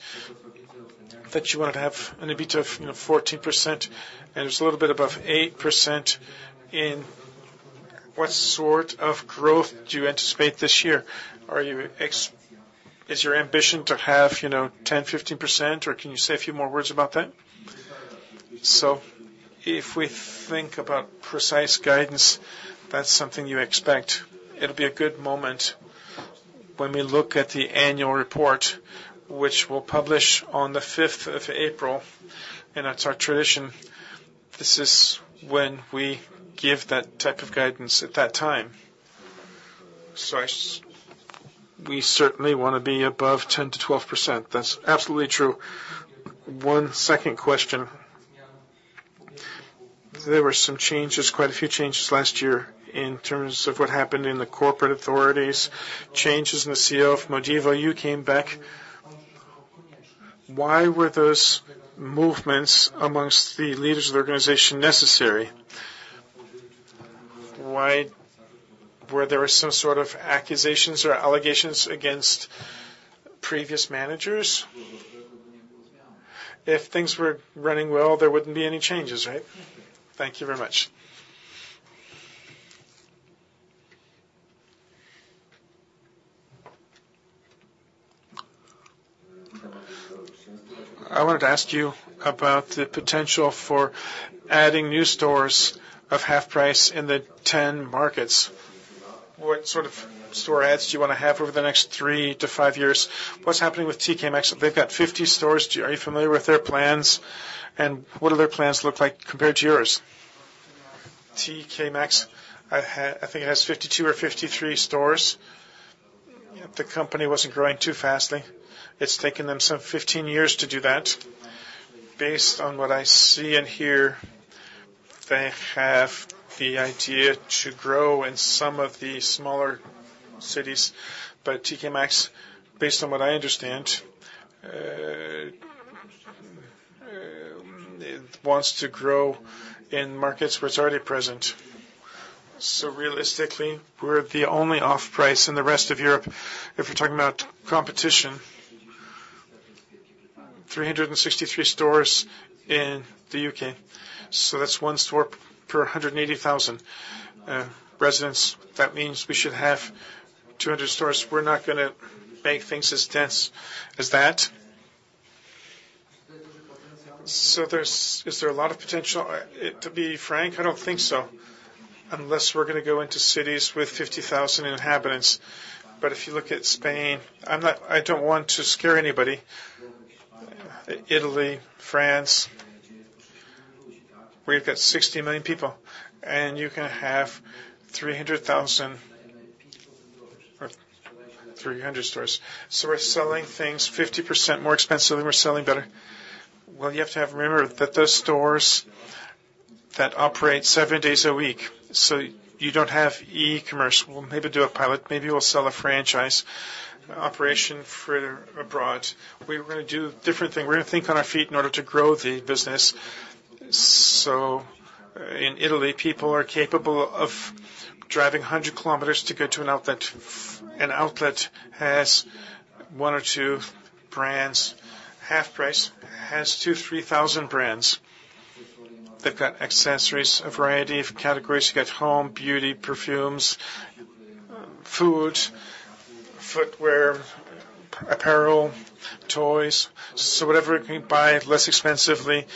that you want to have an EBITDA of, you know, 14%, and it's a little bit above 8% in, what sort of growth do you anticipate this year? Are you is your ambition to have, you know, 10%, 15%, or can you say a few more words about that? So if we think about precise guidance, that's something you expect. It'll be a good moment when we look at the annual report, which we'll publish on the fifth of April, and that's our tradition. This is when we give that type of guidance at that time. So we certainly want to be above 10%-12%. That's absolutely true. One second question. There were some changes, quite a few changes last year in terms of what happened in the corporate authorities, changes in the CEO of MODIVO, you came back. Why were those movements amongst the leaders of the organization necessary? Why? Were there some sort of accusations or allegations against previous managers? If things were running well, there wouldn't be any changes, right? Thank you very much. I wanted to ask you about the potential for adding new stores of HalfPrice in the 10 markets. What sort of store adds do you want to have over the next 3-5 years? What's happening with TK Maxx? They've got 50 stores. Are you familiar with their plans? And what do their plans look like compared to yours? TK Maxx, I think it has 52 or 53 stores. The company wasn't growing too fast. It's taken them some 15 years to do that. Based on what I see and hear, they have the idea to grow in some of the smaller cities, but TK Maxx, based on what I understand, it wants to grow in markets where it's already present. So realistically, we're the only off-price in the rest of Europe, if you're talking about competition. 363 stores in the U.K., so that's one store per 180,000 residents. That means we should have 200 stores. We're not gonna make things as dense as that. So there's, is there a lot of potential? To be frank, I don't think so, unless we're gonna go into cities with 50,000 inhabitants. But if you look at Spain, I'm not. I don't want to scare anybody. Italy, France, where you've got 60 million people, and you can have 300,000 or 300 stores. So we're selling things 50% more expensive, and we're selling better. Well, you have to have, remember that those stores that operate seven days a week, so you don't have e-commerce. We'll maybe do a pilot, maybe we'll sell a franchise operation for abroad. We're gonna do different things. We're gonna think on our feet in order to grow the business. So in Italy, people are capable of driving 100 km to get to an outlet. An outlet has one or two brands. HalfPrice has 2,000-3,000 brands. They've got accessories, a variety of categories. You get home, beauty, perfumes, food, footwear, apparel, toys. So whatever you can buy less expensively,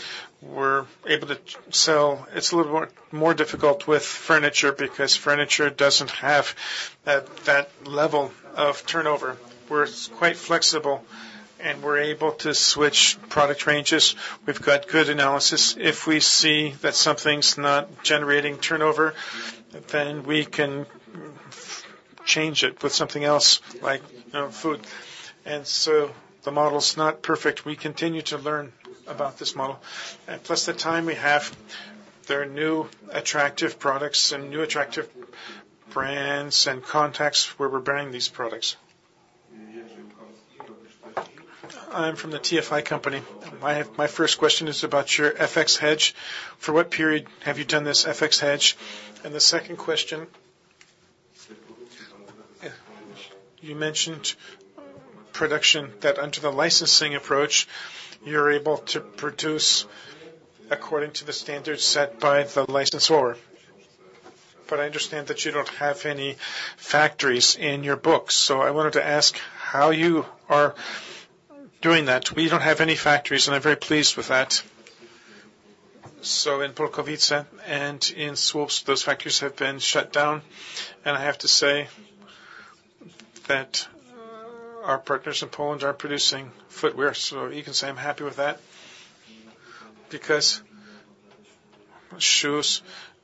we're able to sell. It's a little more difficult with furniture because furniture doesn't have that level of turnover. We're quite flexible, and we're able to switch product ranges. We've got good analysis. If we see that something's not generating turnover, then we can change it with something else, like food. And so the model is not perfect. We continue to learn about this model. And plus, the time we have, there are new attractive products and new attractive brands and contacts where we're bringing these products. I'm from the TFI company. My first question is about your FX hedge. For what period have you done this FX hedge? And the second question, you mentioned production, that under the licensing approach, you're able to produce according to the standards set by the licensor. But I understand that you don't have any factories in your books, so I wanted to ask how you are doing that. We don't have any factories, and I'm very pleased with that. So in Polkowice and in Słupsk, those factories have been shut down, and I have to say that our partners in Poland are producing footwear. So you can say I'm happy with that because shoes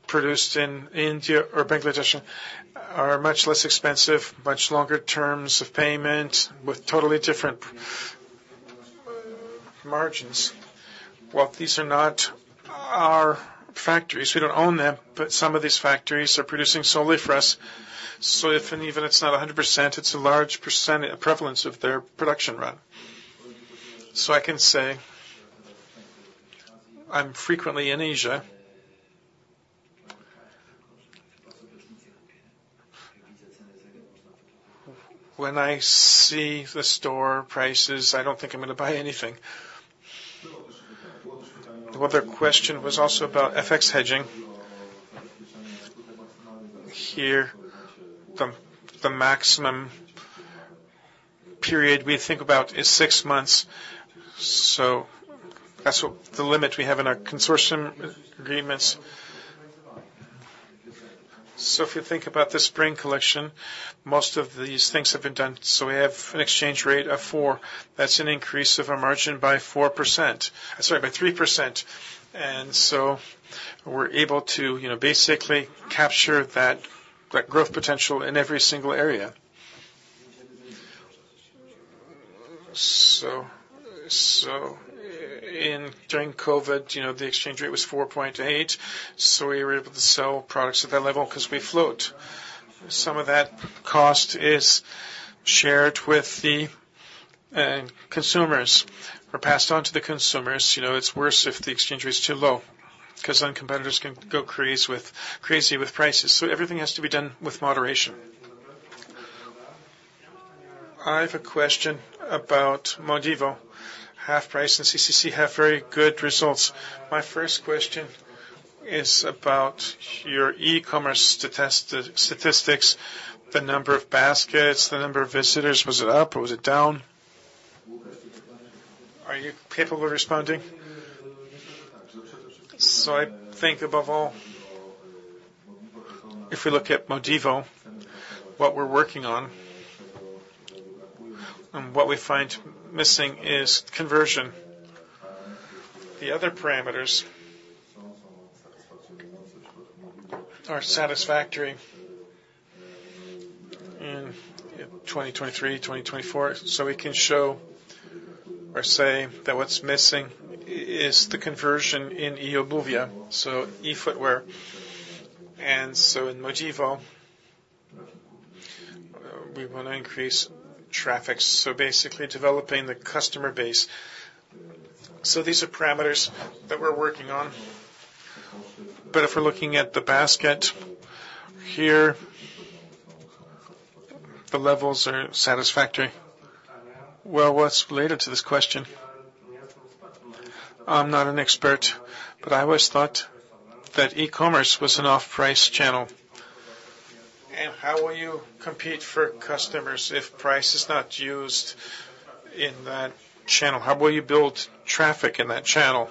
produced in India or Bangladesh are much less expensive, much longer terms of payment, with totally different margins. While these are not our factories, we don't own them, but some of these factories are producing solely for us. So if and even it's not 100%, it's a large percent, a prevalence of their production run. So I can say I'm frequently in Asia. When I see the store prices, I don't think I'm gonna buy anything. The other question was also about FX hedging. Here, the maximum period we think about is six months, so that's the limit we have in our consortium agreements. So if you think about the spring collection, most of these things have been done, so we have an exchange rate of 4%. That's an increase of our margin by 4%—sorry, by 3%, and so we're able to, you know, basically capture that growth potential in every single area. So during COVID, you know, the exchange rate was 4.8, so we were able to sell products at that level 'cause we float. Some of that cost is shared with the consumers or passed on to the consumers. You know, it's worse if the exchange rate is too low, 'cause then competitors can go crazy with prices, so everything has to be done with moderation. I have a question about MODIVO. HalfPrice and CCC have very good results. My first question is about your e-commerce statistics, the number of baskets, the number of visitors. Was it up, or was it down? Are you capable of responding? So I think above all, if we look at MODIVO, what we're working on and what we find missing is conversion. The other parameters are satisfactory in 2023, 2024, so we can show or say that what's missing is the conversion in eobuwie, so e-footwear, and so in MODIVO, we want to increase traffic, so basically developing the customer base. So these are parameters that we're working on, but if we're looking at the basket, here, the levels are satisfactory. Well, what's related to this question? I'm not an expert, but I always thought that e-commerce was an off-price channel. How will you compete for customers if price is not used in that channel? How will you build traffic in that channel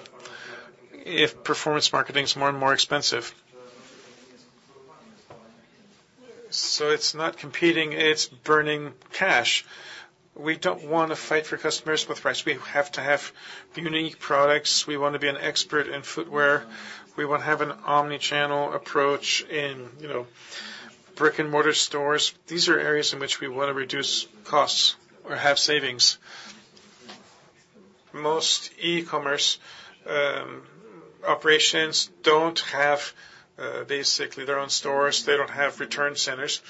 if performance marketing is more and more expensive? It's not competing, it's burning cash. We don't want to fight for customers with price. We have to have unique products. We want to be an expert in footwear. We want to have an omnichannel approach in, you know, brick-and-mortar stores. These are areas in which we want to reduce costs or have savings. Most e-commerce operations don't have basically their own stores. They don't have return centers.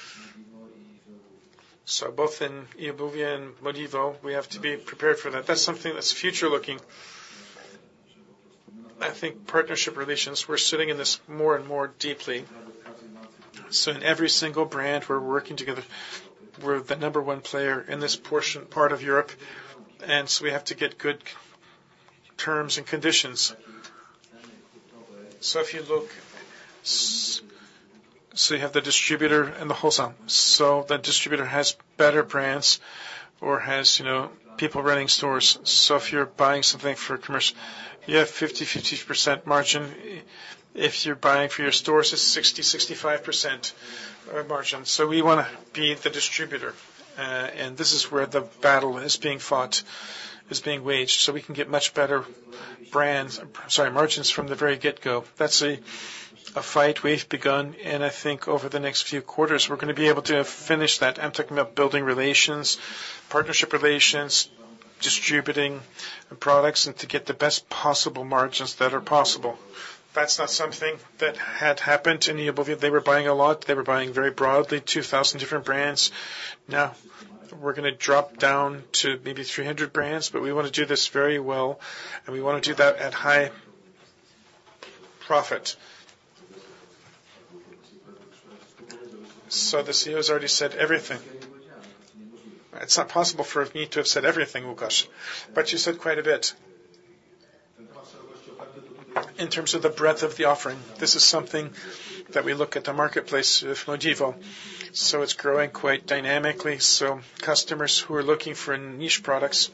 Both in eobuwie and MODIVO, we have to be prepared for that. That's something that's future-looking. I think partnership relations, we're sitting in this more and more deeply. So in every single brand, we're working together. We're the number one player in this portion, part of Europe, and so we have to get good terms and conditions. So if you look, so you have the distributor and the wholesale. So the distributor has better brands or has, you know, people running stores. So if you're buying something for commercial, you have 50% margin. If you're buying for your stores, it's 60%-65% margin. So we wanna be the distributor, and this is where the battle is being fought, is being waged, so we can get much better brands, sorry, margins from the very get-go. That's a fight we've begun, and I think over the next few quarters, we're gonna be able to finish that. I'm talking about building relations, partnership relations, distributing the products, and to get the best possible margins that are possible. That's not something that had happened in eobuwie. They were buying a lot. They were buying very broadly, 2,000 different brands. Now, we're gonna drop down to maybe 300 brands, but we want to do this very well, and we want to do that at high profit. So the CEO has already said everything. It's not possible for me to have said everything, Łukasz, but you said quite a bit. In terms of the breadth of the offering, this is something that we look at the marketplace with MODIVO, so it's growing quite dynamically. So customers who are looking for niche products,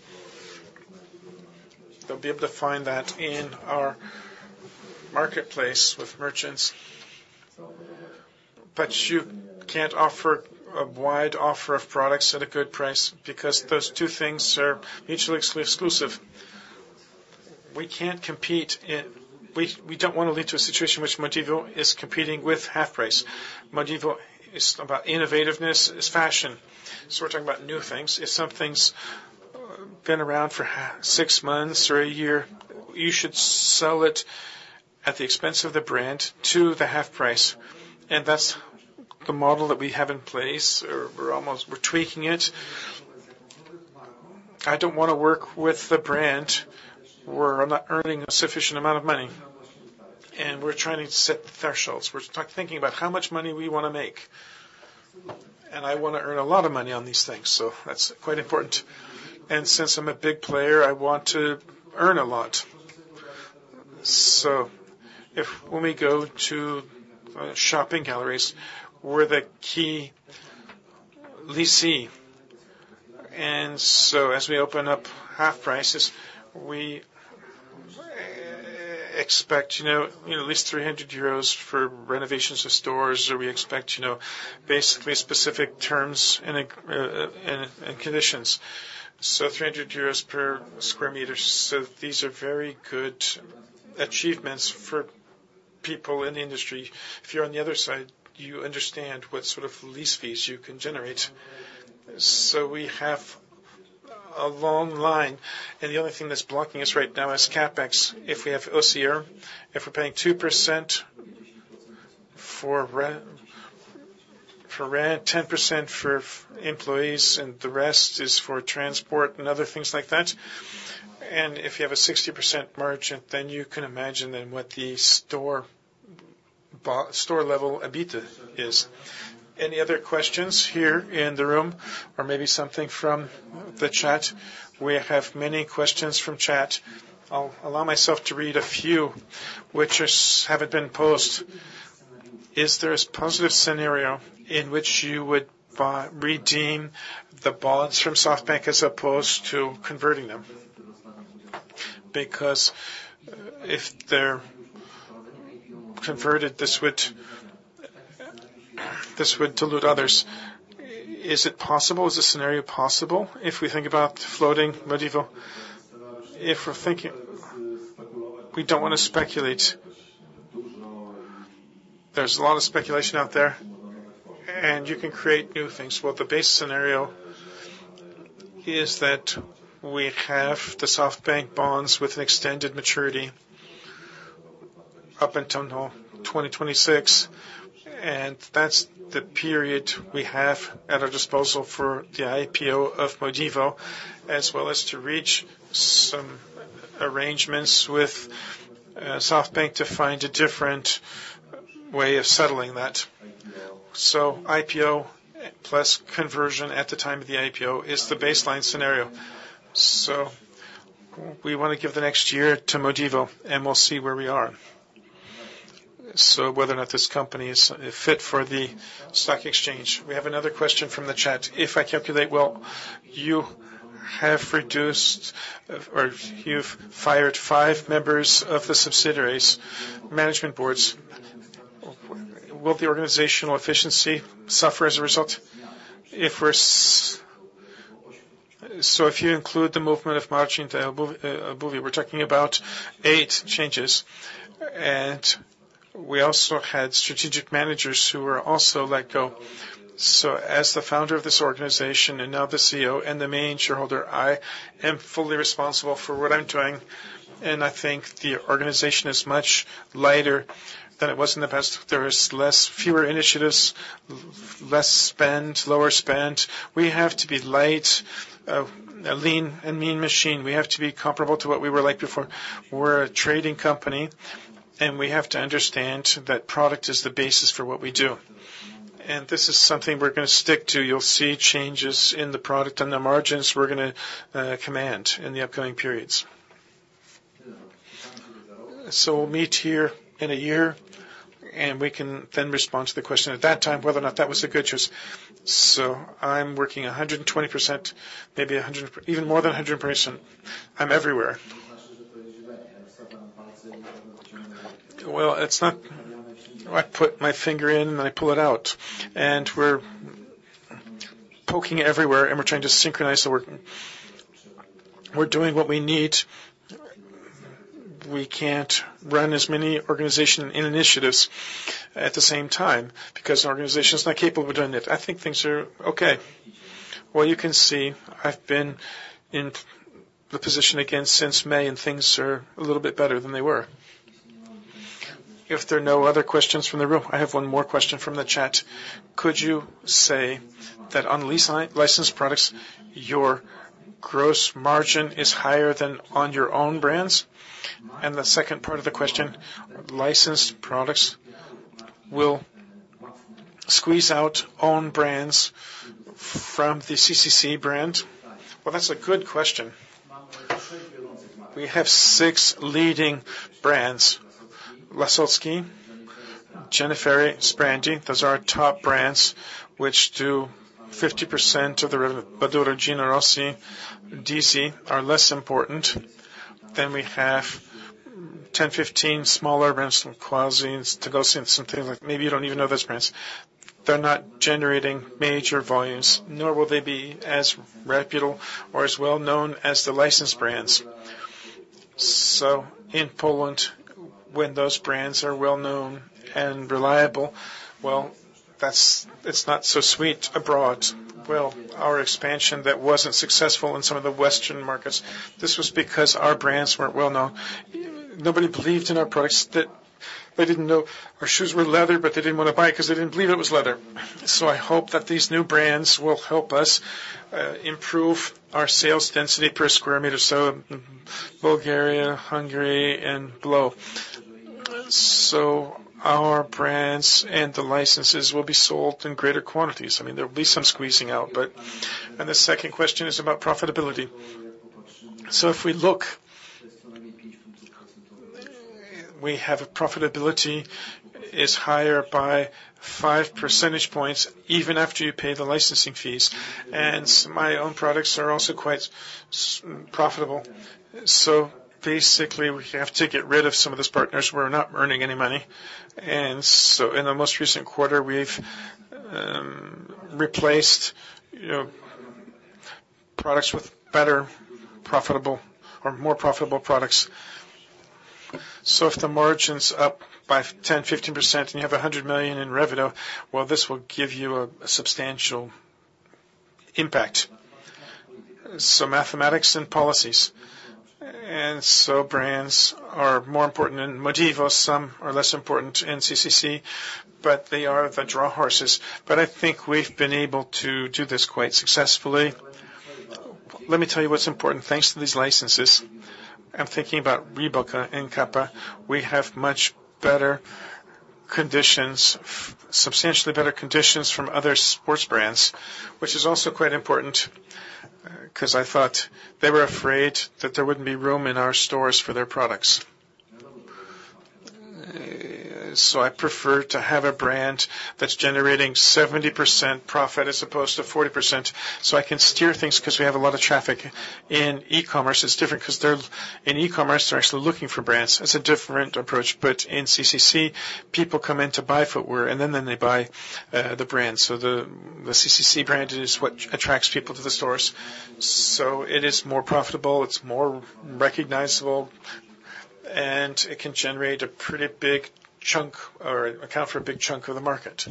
they'll be able to find that in our marketplace with merchants. But you can't offer a wide offer of products at a good price because those two things are mutually exclusive. We can't compete in, we don't want to lead to a situation in which MODIVO is competing with HalfPrice. MODIVO is about innovativeness, it's fashion. So we're talking about new things. If something's been around for six months or a year, you should sell it at the expense of the brand to the HalfPrice, and that's the model that we have in place. We're tweaking it. I don't want to work with the brand. We're not earning a sufficient amount of money, and we're trying to set the thresholds. We start thinking about how much money we wanna make, and I wanna earn a lot of money on these things, so that's quite important. Since I'm a big player, I want to earn a lot. So if when we go to shopping galleries, we're the key lessee. And so as we open up HalfPrice, we expect, you know, at least 300 euros for renovations of stores, or we expect, you know, basically specific terms and conditions. So 300 euros per sq m. So these are very good achievements for people in the industry. If you're on the other side, you understand what sort of lease fees you can generate. So we have a long line, and the other thing that's blocking us right now is CapEx. If we have OCR, if we're paying 2% for rent, 10% for employees, and the rest is for transport and other things like that, and if you have a 60% margin, then you can imagine what the store level EBITDA is. Any other questions here in the room, or maybe something from the chat? We have many questions from chat. I'll allow myself to read a few which haven't been posed. Is there a positive scenario in which you would redeem the bonds from SoftBank as opposed to converting them? Because if they're converted, this would dilute others. Is it possible? Is the scenario possible if we think about floating MODIVO? If we're thinking, we don't want to speculate. There's a lot of speculation out there, and you can create new things. Well, the base scenario is that we have the SoftBank bonds with an extended maturity up until now, 2026, and that's the period we have at our disposal for the IPO of MODIVO, as well as to reach some arrangements with, SoftBank to find a different way of settling that. So IPO plus conversion at the time of the IPO is the baseline scenario. So we want to give the next year to MODIVO, and we'll see where we are. So whether or not this company is, fit for the stock exchange. We have another question from the chat. If I calculate well, you have reduced or you've fired 5 members of the subsidiaries' management boards. Will the organizational efficiency suffer as a result? So if you include the movement of Marcin to MODIVO, we're talking about 8 changes, and we also had strategic managers who were also let go. So as the founder of this organization and now the CEO and the main shareholder, I am fully responsible for what I'm doing, and I think the organization is much lighter than it was in the past. There is less, fewer initiatives, less spend, lower spend. We have to be light, a lean and mean machine. We have to be comparable to what we were like before. We're a trading company, and we have to understand that product is the basis for what we do. And this is something we're gonna stick to. You'll see changes in the product and the margins we're gonna command in the upcoming periods. So we'll meet here in a year, and we can then respond to the question at that time, whether or not that was a good choice. So I'm working 120%, maybe 100%, even more than 100%. I'm everywhere. Well, I put my finger in, and I pull it out, and we're poking everywhere, and we're trying to synchronize the work. We're doing what we need. We can't run as many organization and initiatives at the same time because the organization is not capable of doing it. I think things are okay. Well, you can see I've been in the position again since May, and things are a little bit better than they were. If there are no other questions from the room, I have one more question from the chat. Could you say that on licensed products, your gross margin is higher than on your own brands? And the second part of the question, licensed products will squeeze out own brands from the CCC brand? Well, that's a good question. We have six leading brands, Lasocki, Jenny Fairy, Sprandi. Those are our top brands, which do 50% of the revenue. Badura, Gino Rossi, DeeZee are less important. Then we have 10, 15 smaller brands, from Quazi, Togoshi, and something like, maybe you don't even know those brands. They're not generating major volumes, nor will they be as reputable or as well known as the licensed brands. So in Poland, when those brands are well known and reliable, well, that's it not so sweet abroad. Well, our expansion that wasn't successful in some of the Western markets, this was because our brands weren't well known. Nobody believed in our products. They didn't know our shoes were leather, but they didn't want to buy it, 'cause they didn't believe it was leather. So I hope that these new brands will help us improve our sales density per square meter. So Bulgaria, Hungary, and below. So our brands and the licenses will be sold in greater quantities. I mean, there will be some squeezing out, but the second question is about profitability. So if we look, we have a profitability is higher by 5 percentage points, even after you pay the licensing fees. And my own products are also quite profitable. So basically, we have to get rid of some of those partners who are not earning any money. And so in the most recent quarter, we've replaced, you know, products with better profitable or more profitable products. So if the margin's up by 10%-15%, and you have 100 million in revenue, well, this will give you a substantial impact. So mathematics and policies. And so brands are more important in MODIVO, some are less important in CCC, but they are the draw horses. But I think we've been able to do this quite successfully. Let me tell you what's important. Thanks to these licenses, I'm thinking about Reebok and Kappa. We have much better conditions, substantially better conditions from other sports brands, which is also quite important, 'cause I thought they were afraid that there wouldn't be room in our stores for their products. So I prefer to have a brand that's generating 70% profit as opposed to 40%, so I can steer things, 'cause we have a lot of traffic. In e-commerce, it's different, 'cause they're, in e-commerce, they're actually looking for brands. It's a different approach, but in CCC, people come in to buy footwear, and then, then they buy the brand. So the, the CCC brand is what attracts people to the stores. So it is more profitable, it's more recognizable, and it can generate a pretty big chunk or account for a big chunk of the market.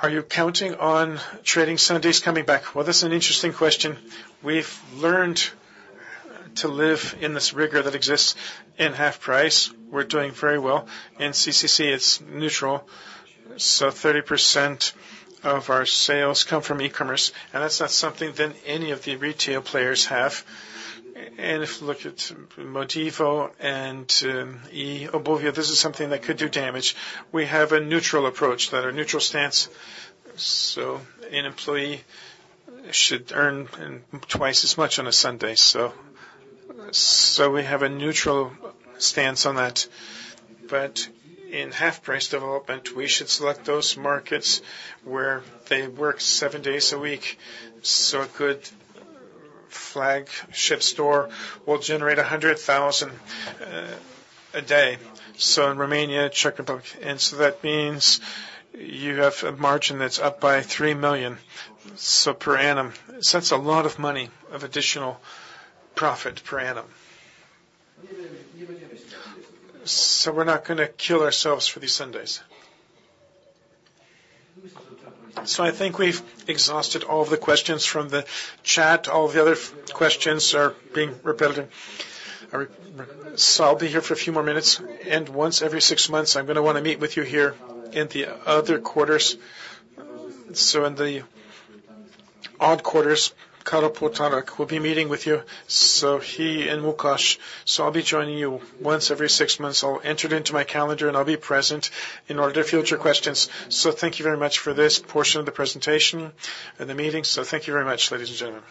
Are you counting on Trading Sundays coming back? Well, this is an interesting question. We've learned to live in this rigor that exists in HalfPrice. We're doing very well. In CCC, it's neutral, so 30% of our sales come from e-commerce, and that's not something that any of the retail players have. And if you look at MODIVO and eobuwie, this is something that could do damage. We have a neutral approach that's a neutral stance, so an employee should earn twice as much on a Sunday. So we have a neutral stance on that. But in HalfPrice development, we should select those markets where they work seven days a week. So a good flagship store will generate 100,000 a day. So in Romania. *audio distortion* And so that means you have a margin that's up by 3 million per annum. So that's a lot of money of additional profit per annum. So we're not gonna kill ourselves for these Sundays. So I think we've exhausted all of the questions from the chat. All the other questions are being repeated. So I'll be here for a few more minutes, and once every six months, I'm gonna wanna meet with you here in the other quarters. In the odd quarters, Karol Półtorak, we'll be meeting with you, so he and Łukasz. I'll be joining you once every six months. I'll enter it into my calendar, and I'll be present in order to field your questions. Thank you very much for this portion of the presentation and the meeting. Thank you very much, ladies and gentlemen.